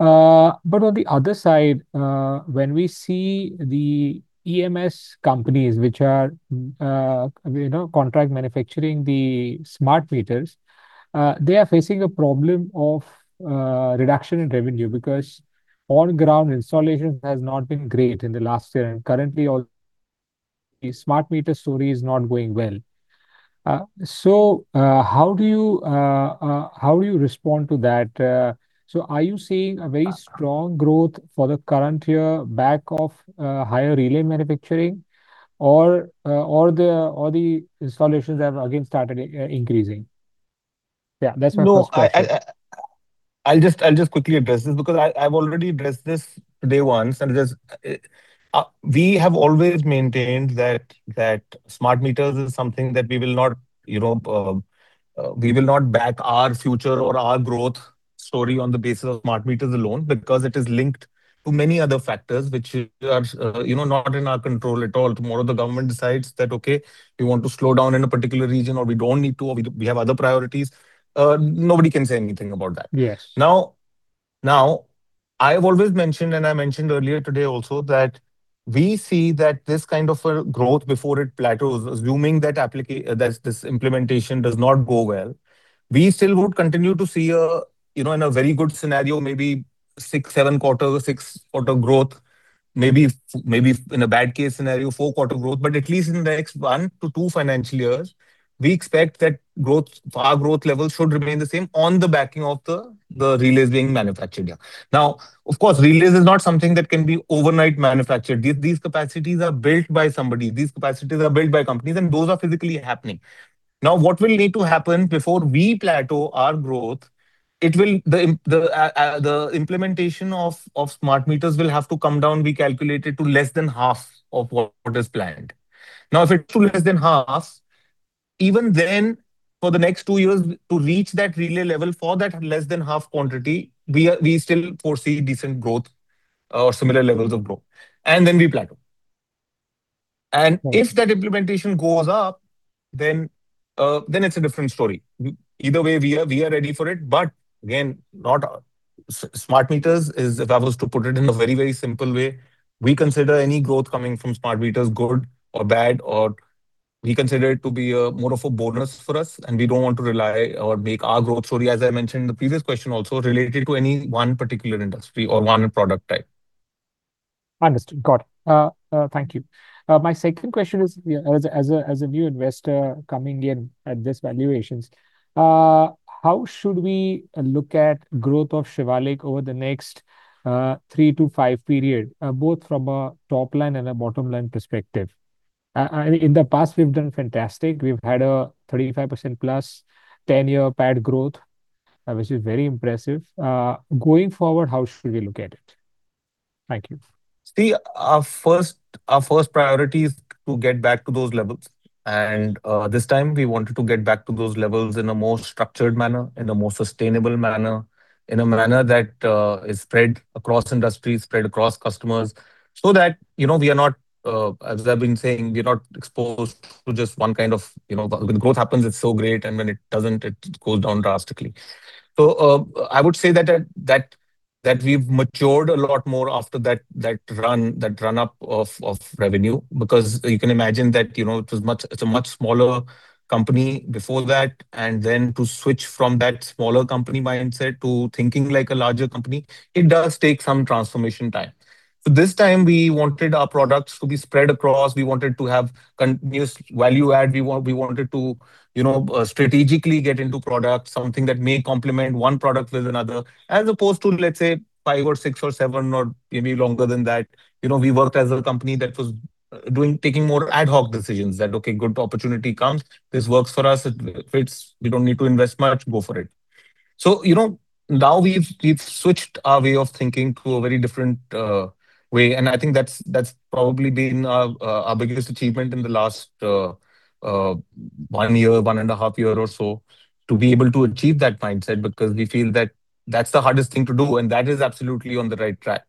On the other side, when we see the EMS companies which are contract manufacturing the smart meters, they are facing a problem of reduction in revenue because on-ground installation has not been great in the last year. Currently, the smart meter story is not going well. How do you respond to that? Are you seeing a very strong growth for the current year back of higher relay manufacturing, or the installations have again started increasing? That's my first question. No, I'll just quickly address this because I've already addressed this today once. We have always maintained that smart meters is something that we will not back our future or our growth story on the basis of smart meters alone because it is linked to many other factors which are not in our control at all. Tomorrow, the government decides that, "Okay, we want to slow down in a particular region," or, "We don't need to," or, "We have other priorities." Nobody can say anything about that. I have always mentioned, and I mentioned earlier today also, that we see that this kind of growth before it plateaus, assuming that this implementation does not go well, we still would continue to see in a very good scenario, maybe six, seven-quarter, six-quarter growth, maybe in a bad-case scenario, four-quarter growth. At least in the next one to two financial years, we expect that our growth levels should remain the same on the backing of the relays being manufactured here. Of course, relays is not something that can be overnight manufactured. These capacities are built by somebody. These capacities are built by companies. Those are physically happening. What will need to happen before we plateau our growth, the implementation of smart meters will have to come down, we calculated, to less than half of what is planned. If it's too less than half, even then, for the next two years, to reach that relay level for that less than half quantity, we still foresee decent growth or similar levels of growth. Then we plateau. If that implementation goes up, then it's a different story. Either way, we are ready for it. Again, smart meters is, if I was to put it in a very, very simple way, we consider any growth coming from smart meters good or bad. We consider it to be more of a bonus for us. And we don't want to rely or make our growth story, as I mentioned in the previous question also, related to any one particular industry or one product type. Understood. Got it. Thank you. My second question is, as a new investor coming in at these valuations, how should we look at growth of Shivalik over the next three to five periods, both from a top line and a bottom line perspective? In the past, we've done fantastic. We've had a 35%+ 10-year PAT growth, which is very impressive. Going forward, how should we look at it? Thank you. See, our first priority is to get back to those levels. This time, we wanted to get back to those levels in a more structured manner, in a more sustainable manner, in a manner that is spread across industries, spread across customers so that we are not, as I've been saying, we're not exposed to just one kind of when growth happens, it's so great. When it doesn't, it goes down drastically. I would say that we've matured a lot more after that run-up of revenue because you can imagine that it's a much smaller company before that. Then to switch from that smaller company mindset to thinking like a larger company, it does take some transformation time. This time, we wanted our products to be spread across. We wanted to have continuous value add. We wanted to strategically get into products, something that may complement one product with another, as opposed to, let's say, five or six or seven or maybe longer than that. We worked as a company that was taking more ad hoc decisions that, "Okay, good opportunity comes. This works for us. It fits. We don't need to invest much. Go for it." Now, we've switched our way of thinking to a very different way. I think that's probably been our biggest achievement in the last one year, one and a half year or so, to be able to achieve that mindset because we feel that that's the hardest thing to do. That is absolutely on the right track.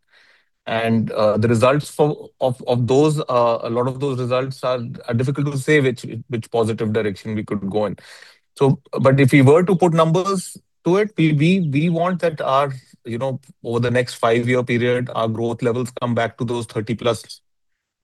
The results of those a lot of those results are difficult to say which positive direction we could go in. If we were to put numbers to it, we want that over the next 5-year period, our growth levels come back to those 30+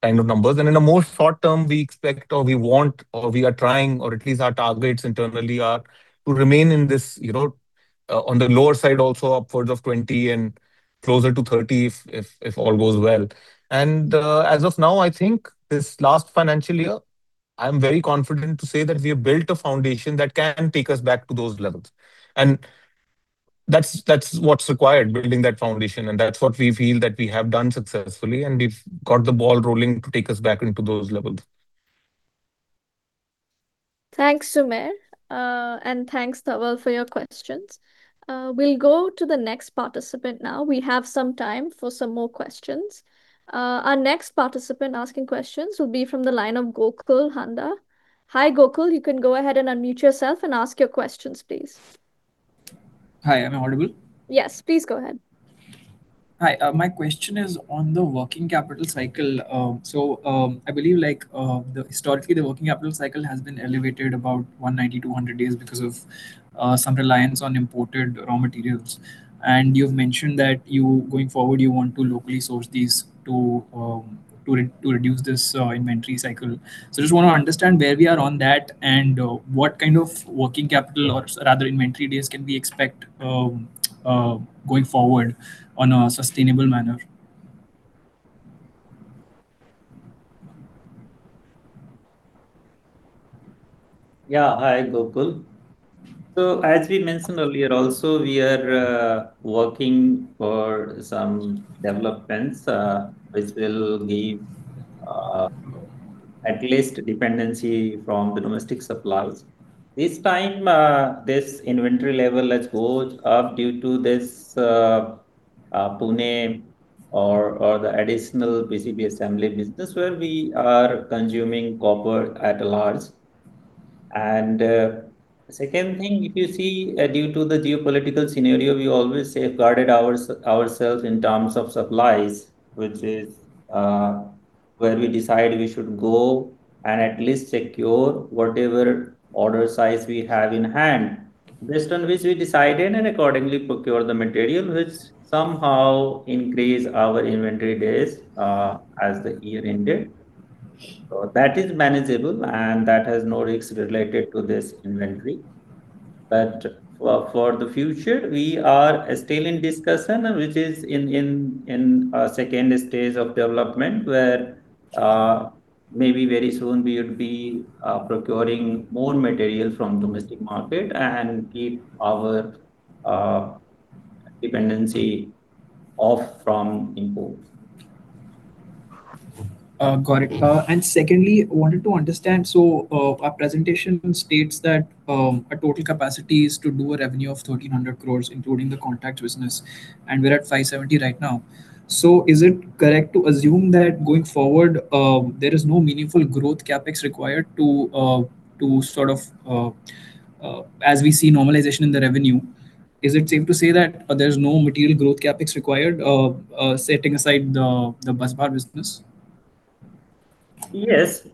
kind of numbers. In a more short term, we expect or we want or we are trying, or at least our targets internally are to remain on the lower side also, upwards of 20 and closer to 30 if all goes well. As of now, I think this last financial year, I'm very confident to say that we have built a foundation that can take us back to those levels. That's what's required, building that foundation. That's what we feel that we have done successfully. We've got the ball rolling to take us back into those levels. Thanks, Sumer. Thanks, Dhaval, for your questions. We'll go to the next participant now. We have some time for some more questions. Our next participant asking questions will be from the line of Gokul Handa. Hi, Gokul. You can go ahead and unmute yourself and ask your questions, please. Hi. Am I audible? Yes. Please go ahead. Hi. My question is on the working capital cycle. I believe, historically, the working capital cycle has been elevated about 190, 200 days because of some reliance on imported raw materials. You've mentioned that going forward, you want to locally source these to reduce this inventory cycle. I just want to understand where we are on that and what kind of working capital or rather inventory days can we expect going forward on a sustainable manner? Hi, Gokul. As we mentioned earlier also, we are working for some developments which will give at least dependency from the domestic supplies. This time, this inventory level has gone up due to this Pune or the additional PCB assembly business where we are consuming copper at large. The second thing, if you see, due to the geopolitical scenario, we always safeguarded ourselves in terms of supplies, which is where we decide we should go and at least secure whatever order size we have in hand based on which we decided and accordingly procure the material, which somehow increased our inventory days as the year ended. That is manageable. That has no risks related to this inventory. For the future, we are still in discussion, which is in a stage two of development where maybe very soon, we would be procuring more material from the domestic market and keep our dependency off from imports. Correct. Secondly, I wanted to understand. Our presentation states that our total capacity is to do a revenue of 1,300 crore, including the contract business. We're at 570 crore right now. Is it correct to assume that going forward, there is no meaningful growth CapEx required to sort of as we see normalization in the revenue? Is it safe to say that there's no material growth CapEx required, setting aside the busbar business? Yes.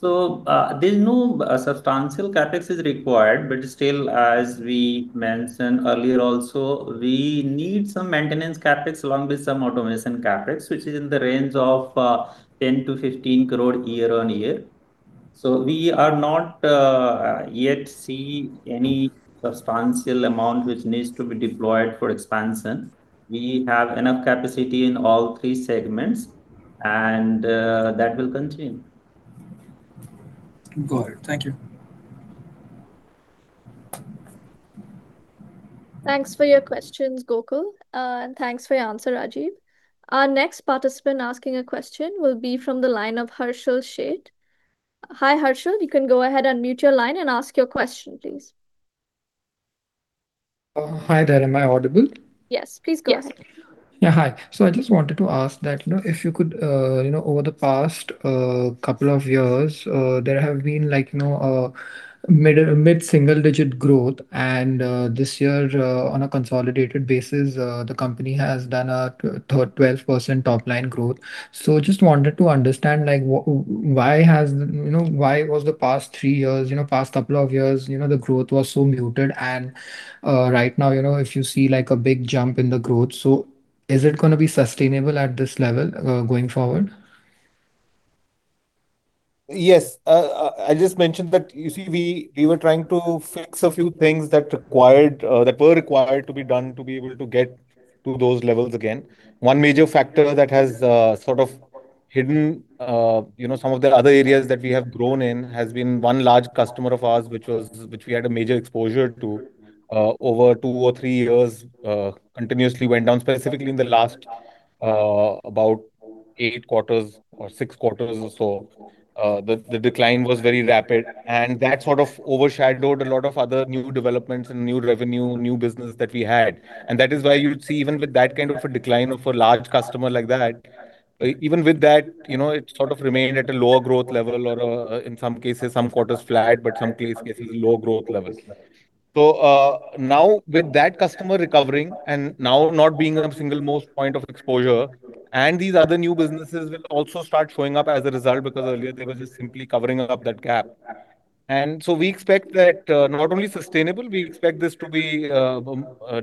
There's no substantial CapEx required. Still, as we mentioned earlier also, we need some maintenance CapEx along with some automation CapEx, which is in the range of 10 crore-15 crore year on year. We are not yet seeing any substantial amount which needs to be deployed for expansion. We have enough capacity in all three segments. That will continue. Got it. Thank you. Thanks for your questions, Gokul. Thanks for your answer, Rajeev. Our next participant asking a question will be from the line of Harshal Sheth. Hi, Harshal. You can go ahead and mute your line and ask your question, please. Hi there. Am I audible? Yes. Please go ahead. Yeah. Hi. I just wanted to ask that if you could over the past couple of years, there have been mid-single-digit growth. This year, on a consolidated basis, the company has done a 12% top-line growth. I just wanted to understand why was the past three years, past couple of years, the growth was so muted? Right now, if you see a big jump in the growth, so is it going to be sustainable at this level going forward? Yes. I just mentioned that, you see, we were trying to fix a few things that were required to be done to be able to get to those levels again. One major factor that has sort of hidden some of the other areas that we have grown in has been one large customer of ours, which we had a major exposure to over two or three years, continuously went down, specifically in the last about eight quarters or six quarters or so. The decline was very rapid. That sort of overshadowed a lot of other new developments and new revenue, new business that we had. That is why you'd see, even with that kind of a decline of a large customer like that, even with that, it sort of remained at a lower growth level or, in some cases, some quarters flat, but some cases, low growth levels. Now, with that customer recovering and now not being a single-most point of exposure, these other new businesses will also start showing up as a result because earlier, they were just simply covering up that gap. We expect that not only sustainable, we expect this to be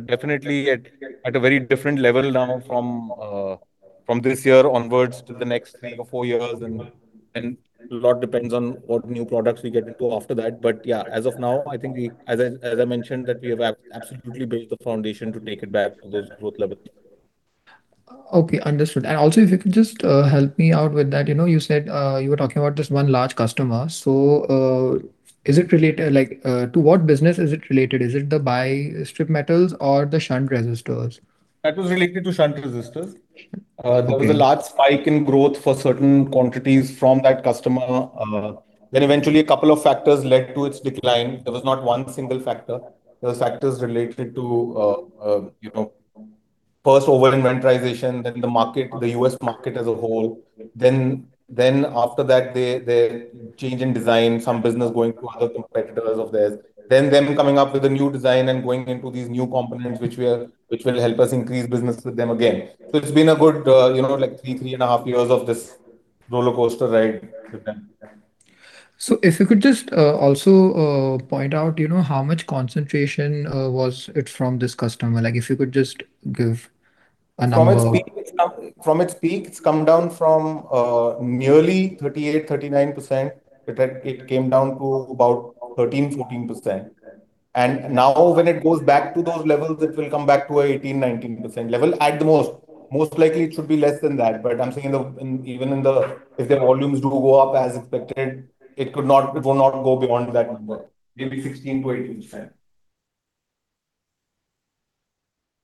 definitely at a very different level now from this year onwards to the next three or four years. A lot depends on what new products we get into after that. Yeah, as of now, I think, as I mentioned, that we have absolutely built the foundation to take it back to those growth levels. Okay. Understood. Also, if you could just help me out with that, you said you were talking about this one large customer. To what business is it related? Is it the bimetals or the shunt resistors? That was related to shunt resistors. There was a large spike in growth for certain quantities from that customer. Eventually, a couple of factors led to its decline. There was not one, single factor. There were factors related to, first, over-inventorization, then the U.S. market as a whole. After that, the change in design, some business going to other competitors of theirs, then them coming up with a new design and going into these new components, which will help us increase business with them again. It's been a good three and a half years of this roller coaster ride with them. If you could just also point out how much concentration was it from this customer? If you could just give a number. From its peak, it's come down from nearly 38%-39%. It came down to about 13%-14%. Now, when it goes back to those levels, it will come back to a 18%-19% level at the most. Most likely, it should be less than that. I'm saying, even if the volumes do go up as expected, it will not go beyond that number, maybe 16%-18%.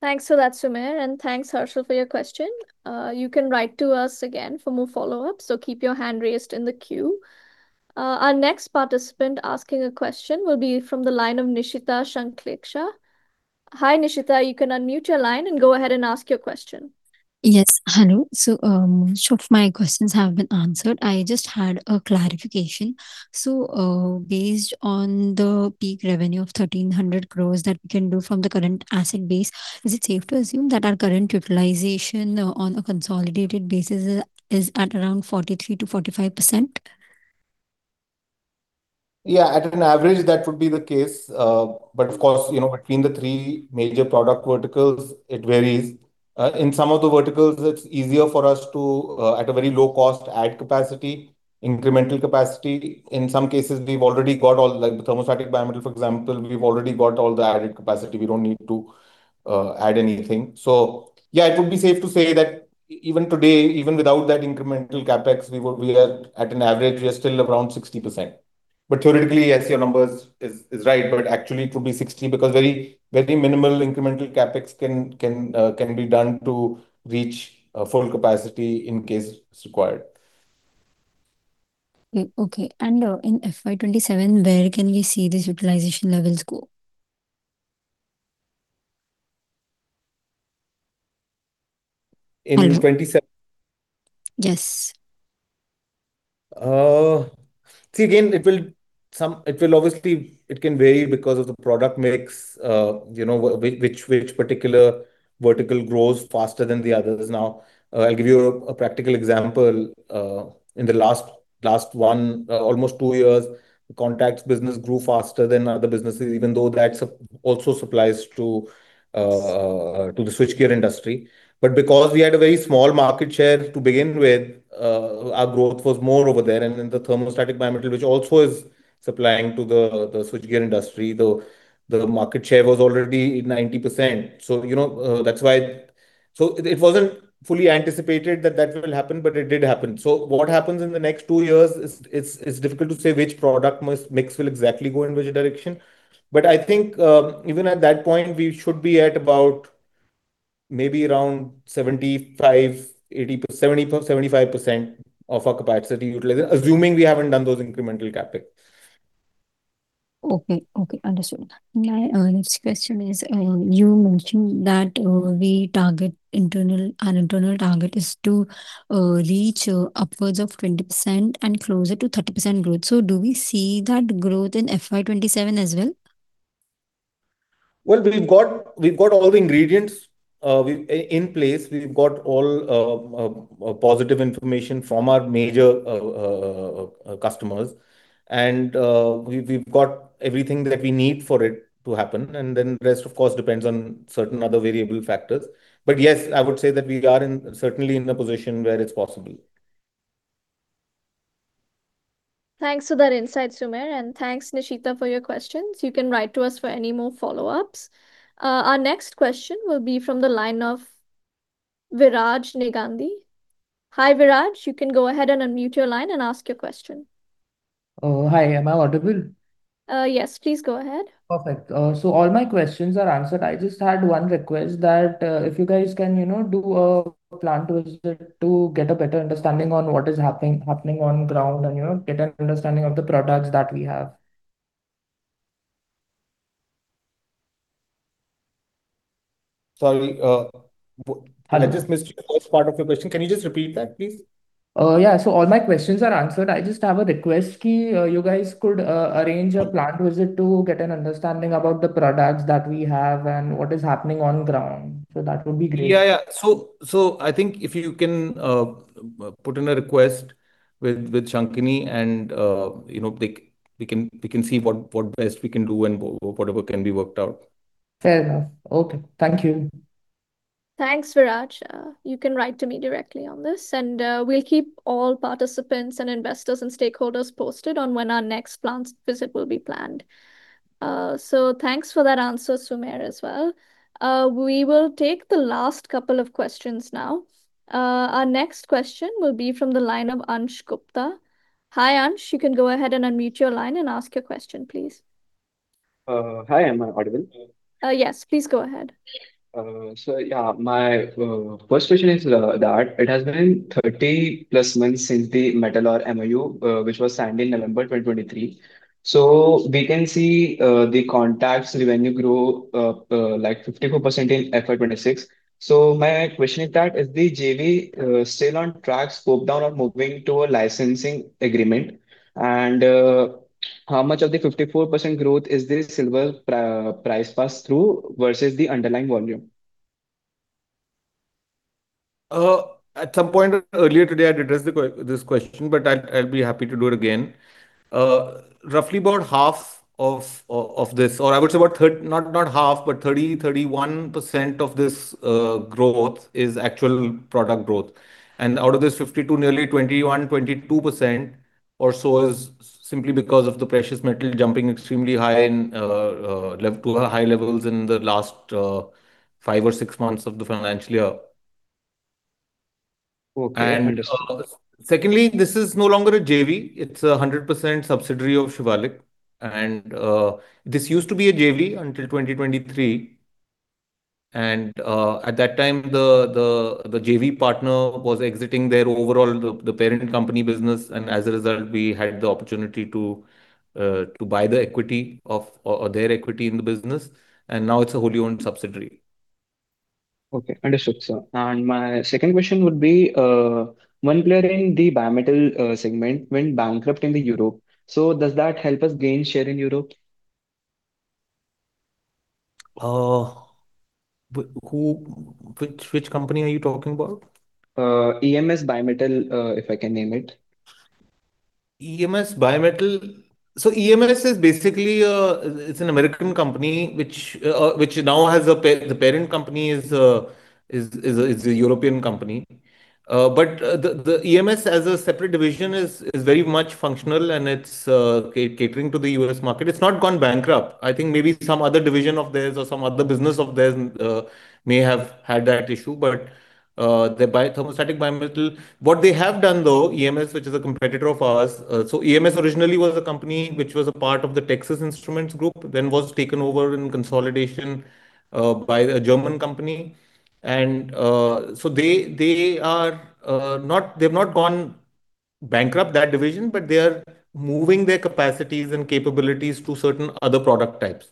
Thanks for that, Sumer. Thanks, Harshal, for your question. You can write to us again for more follow-ups. Keep your hand raised in the queue. Our next participant asking a question will be from the line of Nishita Shankhlesha. Hi, Nishita. You can unmute your line and go ahead and ask your question. Yes. Hello. Some of my questions have been answered. I just had a clarification. Based on the peak revenue of 1,300 crore that we can do from the current asset base, is it safe to assume that our current utilization on a consolidated basis is at around 43%-45%? Yeah. At an average, that would be the case. Of course, between the three major product verticals, it varies. In some of the verticals, it's easier for us to, at a very low cost, add capacity, incremental capacity. In some cases, we've already got all the thermostatic bimetals, for example. We've already got all the added capacity. We don't need to add anything. Yeah, it would be safe to say that even today, even without that incremental CapEx, at an average, we are still around 60%. Theoretically, yes, your number is right. Actually, it would be 60 because very minimal incremental CapEx can be done to reach full capacity in case required. Okay. In FY 2027, where can we see these utilization levels go? In FY 2027? Yes. See, again, it will obviously, it can vary because of the product mix, which particular vertical grows faster than the others now. I'll give you a practical example. In the last one, almost two years, the contact business grew faster than other businesses, even though that also supplies to the switchgear industry. Because we had a very small market share to begin with, our growth was more over there. The thermostatic bimetals, which also is supplying to the switchgear industry, the market share was already 90%. That's why it wasn't fully anticipated that that will happen, but it did happen. What happens in the next two years, it's difficult to say which product mix will exactly go in which direction. I think even at that point, we should be at about maybe around 75% of our capacity utilized, assuming we haven't done those incremental CapEx. Okay. Okay. Understood. My next question is, you mentioned that our internal target is to reach upwards of 20% and closer to 30% growth. Do we see that growth in FY 2027 as well? Well, we've got all the ingredients in place. We've got all positive information from our major customers. We've got everything that we need for it to happen. The rest, of course, depends on certain other variable factors. Yes, I would say that we are certainly in a position where it's possible. Thanks for that insight, Sumer. Thanks, Nishita, for your questions. You can write to us for any more follow-ups. Our next question will be from the line of Viraj Nigam. Hi, Viraj. You can go ahead and unmute your line and ask your question. Hi. Am I audible? Yes. Please go ahead. Perfect. All my questions are answered. I just had one request that if you guys can do a plant visit to get a better understanding on what is happening on the ground and get an understanding of the products that we have. Sorry. I just missed the first part of your question. Can you just repeat that, please? Yeah. All my questions are answered. I just have a request that you guys could arrange a plant visit to get an understanding about the products that we have and what is happening on the ground. That would be great. Yeah. Yeah. I think if you can put in a request with Shankhini, and we can see what best we can do and whatever can be worked out. Fair enough. Okay. Thank you. Thanks, Viraj. You can write to me directly on this. We'll keep all participants and investors and stakeholders posted on when our next plant visit will be planned. Thanks for that answer, Sumer, as well. We will take the last couple of questions now. Our next question will be from the line of Ansh Gupta. Hi, Ansh. You can go ahead and unmute your line and ask your question, please. Hi. Am I audible? Yes. Please go ahead. My first question is that it has been 30+ months since the Metalor MOU, which was signed in November 2023. We can see the contacts revenue grow like 54% in FY 2026. My question is that, is the JV still on track, scoped down, or moving to a licensing agreement? How much of the 54% growth is this silver price pass through versus the underlying volume? At some point earlier today, I addressed this question, but I'll be happy to do it again. Roughly about half of this, or I would say about not half, but 30%-31% of this growth is actual product growth. Out of this, nearly 21%-22% or so is simply because of the precious metal jumping extremely high to high levels in the last five or six months of the financial year. Secondly, this is no longer a JV. It's a 100% subsidiary of Shivalik. This used to be a JV until 2023. At that time, the JV partner was exiting their overall parent company business. As a result, we had the opportunity to buy their equity in the business. Now, it's a wholly owned subsidiary. Okay. Understood, sir. My second question would be, one player in the bimetal segment went bankrupt in Europe. Does that help us gain share in Europe? Which company are you talking about? EMS Bimetal, if I can name it. EMS Bimetal. EMS is basically an American company, which now has a parent company is a European company. The EMS, as a separate division, is very much functional, and it's catering to the U.S. market. It's not gone bankrupt. I think maybe some other division of theirs or some other business of theirs may have had that issue. What they have done, though, EMS, which is a competitor of ours so EMS originally was a company which was a part of the Texas Instruments Group, then was taken over in consolidation by a German company. They have not gone bankrupt, that division, but they are moving their capacities and capabilities to certain other product types.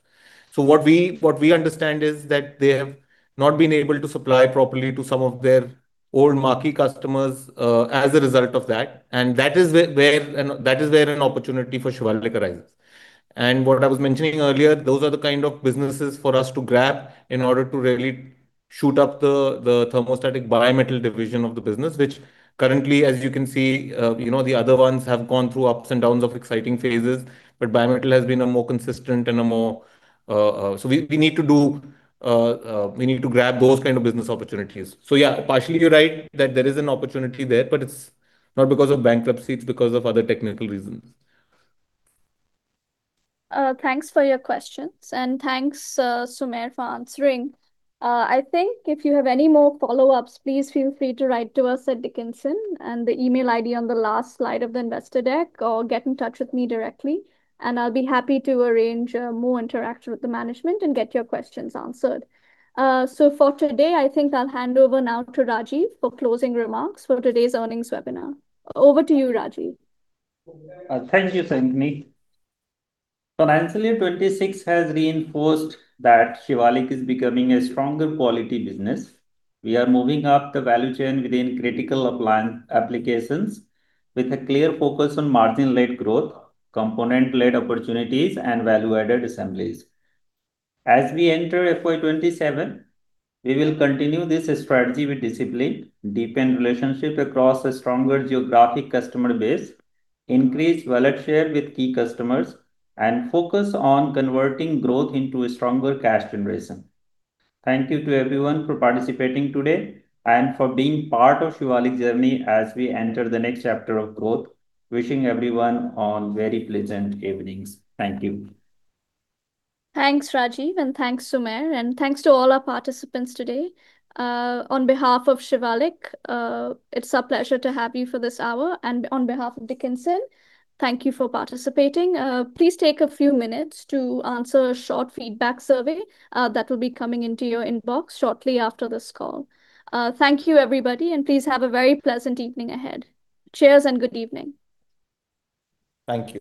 What we understand is that they have not been able to supply properly to some of their old marquee customers as a result of that. That is where an opportunity for Shivalik arises. What I was mentioning earlier, those are the kind of businesses for us to grab in order to really shoot up the thermostatic bimetal division of the business, which currently, as you can see, the other ones have gone through ups and downs of exciting phases. Bimetal has been a more consistent. We need to grab those kind of business opportunities. Yeah, partially, you're right that there is an opportunity there, but it's not because of bankruptcy. It's because of other technical reasons. Thanks for your questions. Thanks, Sumer, for answering. I think if you have any more follow-ups, please feel free to write to us at Dickenson and the email ID on the last slide of the investor deck or get in touch with me directly. I'll be happy to arrange more interaction with the management and get your questions answered. For today, I think I'll hand over now to Rajeev for closing remarks for today's earnings webinar. Over to you, Rajeev. Thank you. [inaudible] Financially, FY 2026 has reinforced that Shivalik is becoming a stronger quality business. We are moving up the value chain within critical applications with a clear focus on margin-led growth, component-led opportunities, and value-added assemblies. As we enter FY 2027, we will continue this strategy with discipline, deepen relationships across a stronger geographic customer base, increase wallet share with key customers, and focus on converting growth into a stronger cash generation. Thank you to everyone for participating today and for being part of Shivalik's journey as we enter the next chapter of growth. Wishing everyone very pleasant evenings. Thank you. Thanks, Rajeev. Thanks, Sumer. Thanks to all our participants today. On behalf of Shivalik, it's a pleasure to have you for this hour. On behalf of Dickenson, thank you for participating. Please take a few minutes to answer a short feedback survey that will be coming into your inbox shortly after this call. Thank you, everybody. Please have a very pleasant evening ahead. Cheers and good evening. Thank you.